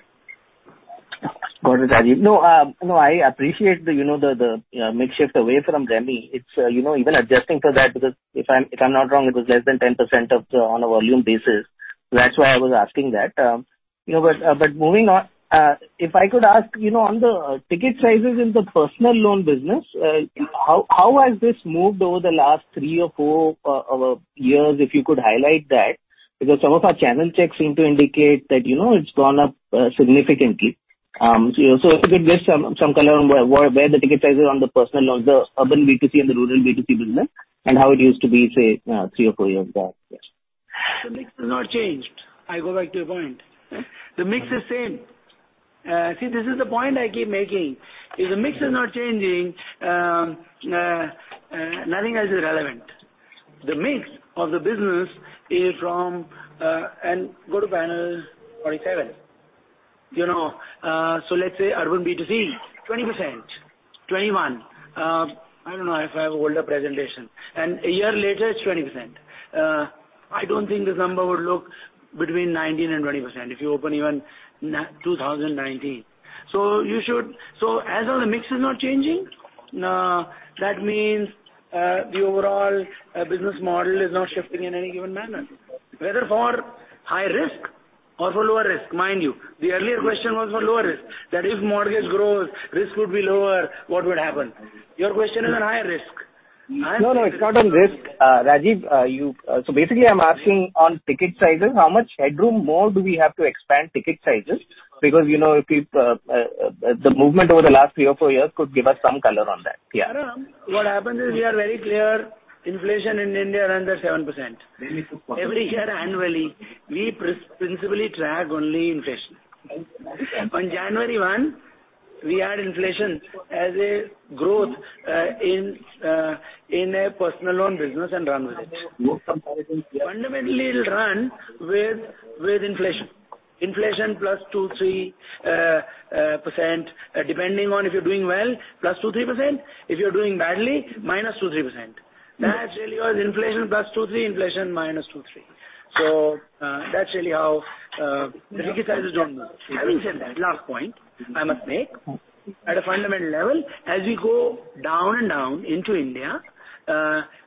Got it, Rajeev. No, no, I appreciate the, you know, the mix shift away from rural. It's you know, even adjusting for that, because if I'm not wrong, it was less than 10% of the, on a volume basis. That's why I was asking that. Moving on, if I could ask, you know, on the ticket sizes in the personal loan business, how has this moved over the last three or four years, if you could highlight that? Because some of our channel checks seem to indicate that, you know, it's gone up significantly. If you could give some color on where the ticket sizes on the personal loans, the urban B2C and the rural B2C business and how it used to be, say, three or four years back. Yes. The mix has not changed. I go back to your point. Okay. The mix is same. See, this is the point I keep making. If the mix is not changing, nothing else is relevant. The mix of the business is from, and go to panel 47. You know, so let's say urban B2C, 20%, 21. I don't know if I have older presentation. A year later, it's 20%. I don't think this number would look between 19%-20% if you open even 2019. You should. As all the mix is not changing, that means, the overall, business model is not shifting in any given manner. Whether for high risk or for lower risk, mind you. The earlier question was for lower risk. That if mortgage grows, risk would be lower, what would happen? Your question is on higher risk. No, it's not on risk. Rajeev, you, basically I'm asking on ticket sizes, how much headroom more do we have to expand ticket sizes? Because, the movement over the last three or four years could give us some color on that. Yeah. Param, what happens is we are very clear inflation in India around 7%. Every year annually, we principally track only inflation. On January 1, we add inflation as a growth, in a personal loan business and run with it. Fundamentally, it'll run with inflation. Inflation plus 2-3%, depending on if you're doing well, plus 2-3%. If you're doing badly, minus 2-3%. That's really how the inflation plus 2-3%, inflation minus 2-3%. That's really how the ticket sizes don't move. Having said that, last point I must make. At a fundamental level, as we go down and down into India,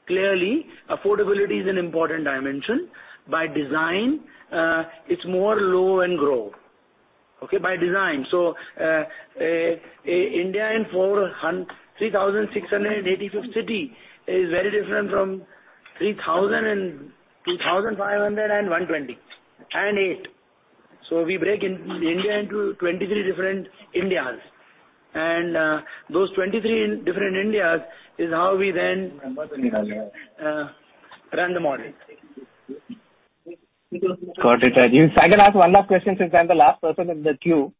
clearly affordability is an important dimension. By design, it's more low and grow. Okay? By design. India in 4,365th city is very different from 3,251 and 208. We break India into 23 different Indias. Those 23 different Indias is how we then run the model. Got it, Rajeev. If I can ask one last question since I'm the last person in the queue.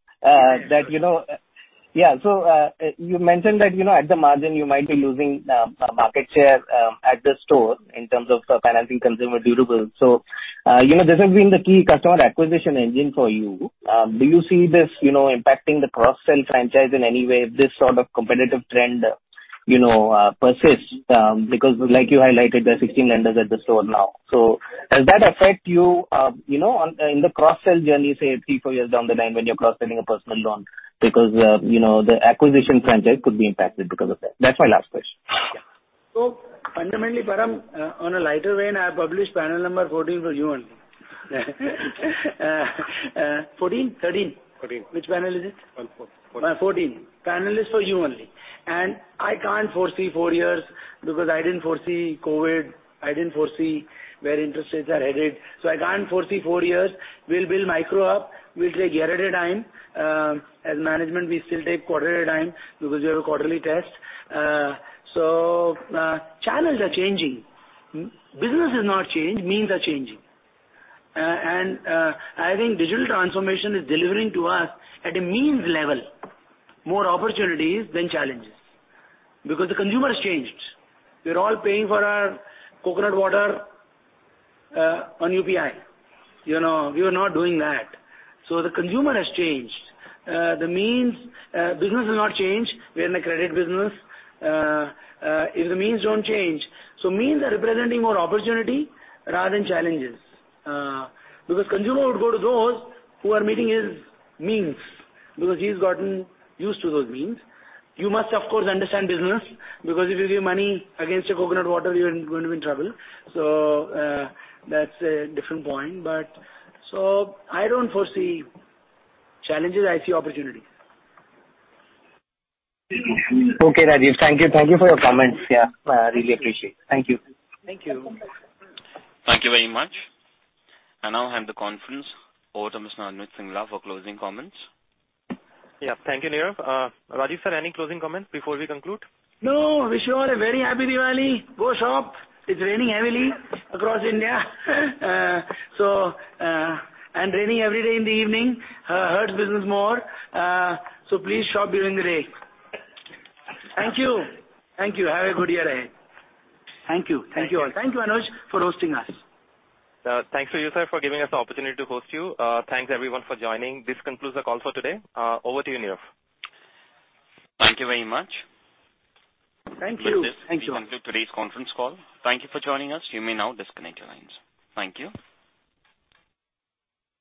You mentioned that, you know, at the margin, you might be losing market share at the store in terms of financing consumer durables. You know, this has been the key customer acquisition engine for you. Do you see this, you know, impacting the cross-sell franchise in any way if this sort of competitive trend, you know, persists? Because like you highlighted, there are 16 lenders at the store now. Does that affect you know, on, in the cross-sell journey, say 3, 4 years down the line when you're cross-selling a personal loan? Because, you know, the acquisition franchise could be impacted because of that. That's my last question. Fundamentally, Param, on a lighter vein, I published panel number 14 for you only. 14? 13? Fourteen. Which panel is it? Four-four-fourteen. 14. Panel is for you only. I can't foresee four years because I didn't foresee COVID. I didn't foresee where interest rates are headed. I can't foresee four years. We'll build micro up. We'll take year at a time. As management, we still take quarter at a time because we have a quarterly test. Channels are changing. Business has not changed, means are changing. I think digital transformation is delivering to us at a means level, more opportunities than challenges because the consumer has changed. We're all paying for our coconut water on UPI. We were not doing that. The consumer has changed. The means, business has not changed. We're in the credit business. If the means don't change. Means are representing more opportunity rather than challenges. Because consumer would go to those who are meeting his means because he's gotten used to those means. You must of course, understand business, because if you give money against a coconut water, you're going to be in trouble. That's a different point. I don't foresee challenges, I see opportunities. Okay, Rajeev. Thank you. Thank you for your comments. Yeah, I really appreciate it. Thank you. Thank you. Thank you very much. I now hand the conference over to Mr. Anuj Singla for closing comments. Yeah. Thank you, Nikesh Shah. Rajeev, sir, any closing comments before we conclude? No. Wish you all a very happy Diwali. Go shop. It's raining heavily across India. Raining every day in the evening hurts business more. Please shop during the day. Thank you. Have a good year ahead. Thank you. Thank you all. Thank you, Anuj, for hosting us. Thanks to you, sir, for giving us the opportunity to host you. Thanks everyone for joining. This concludes the call for today. Over to you, Nikesh Shah. Thank you very much. Thank you. With this, we conclude today's conference call. Tha nk you for joining us. You may now disconnect your lines. Thank you.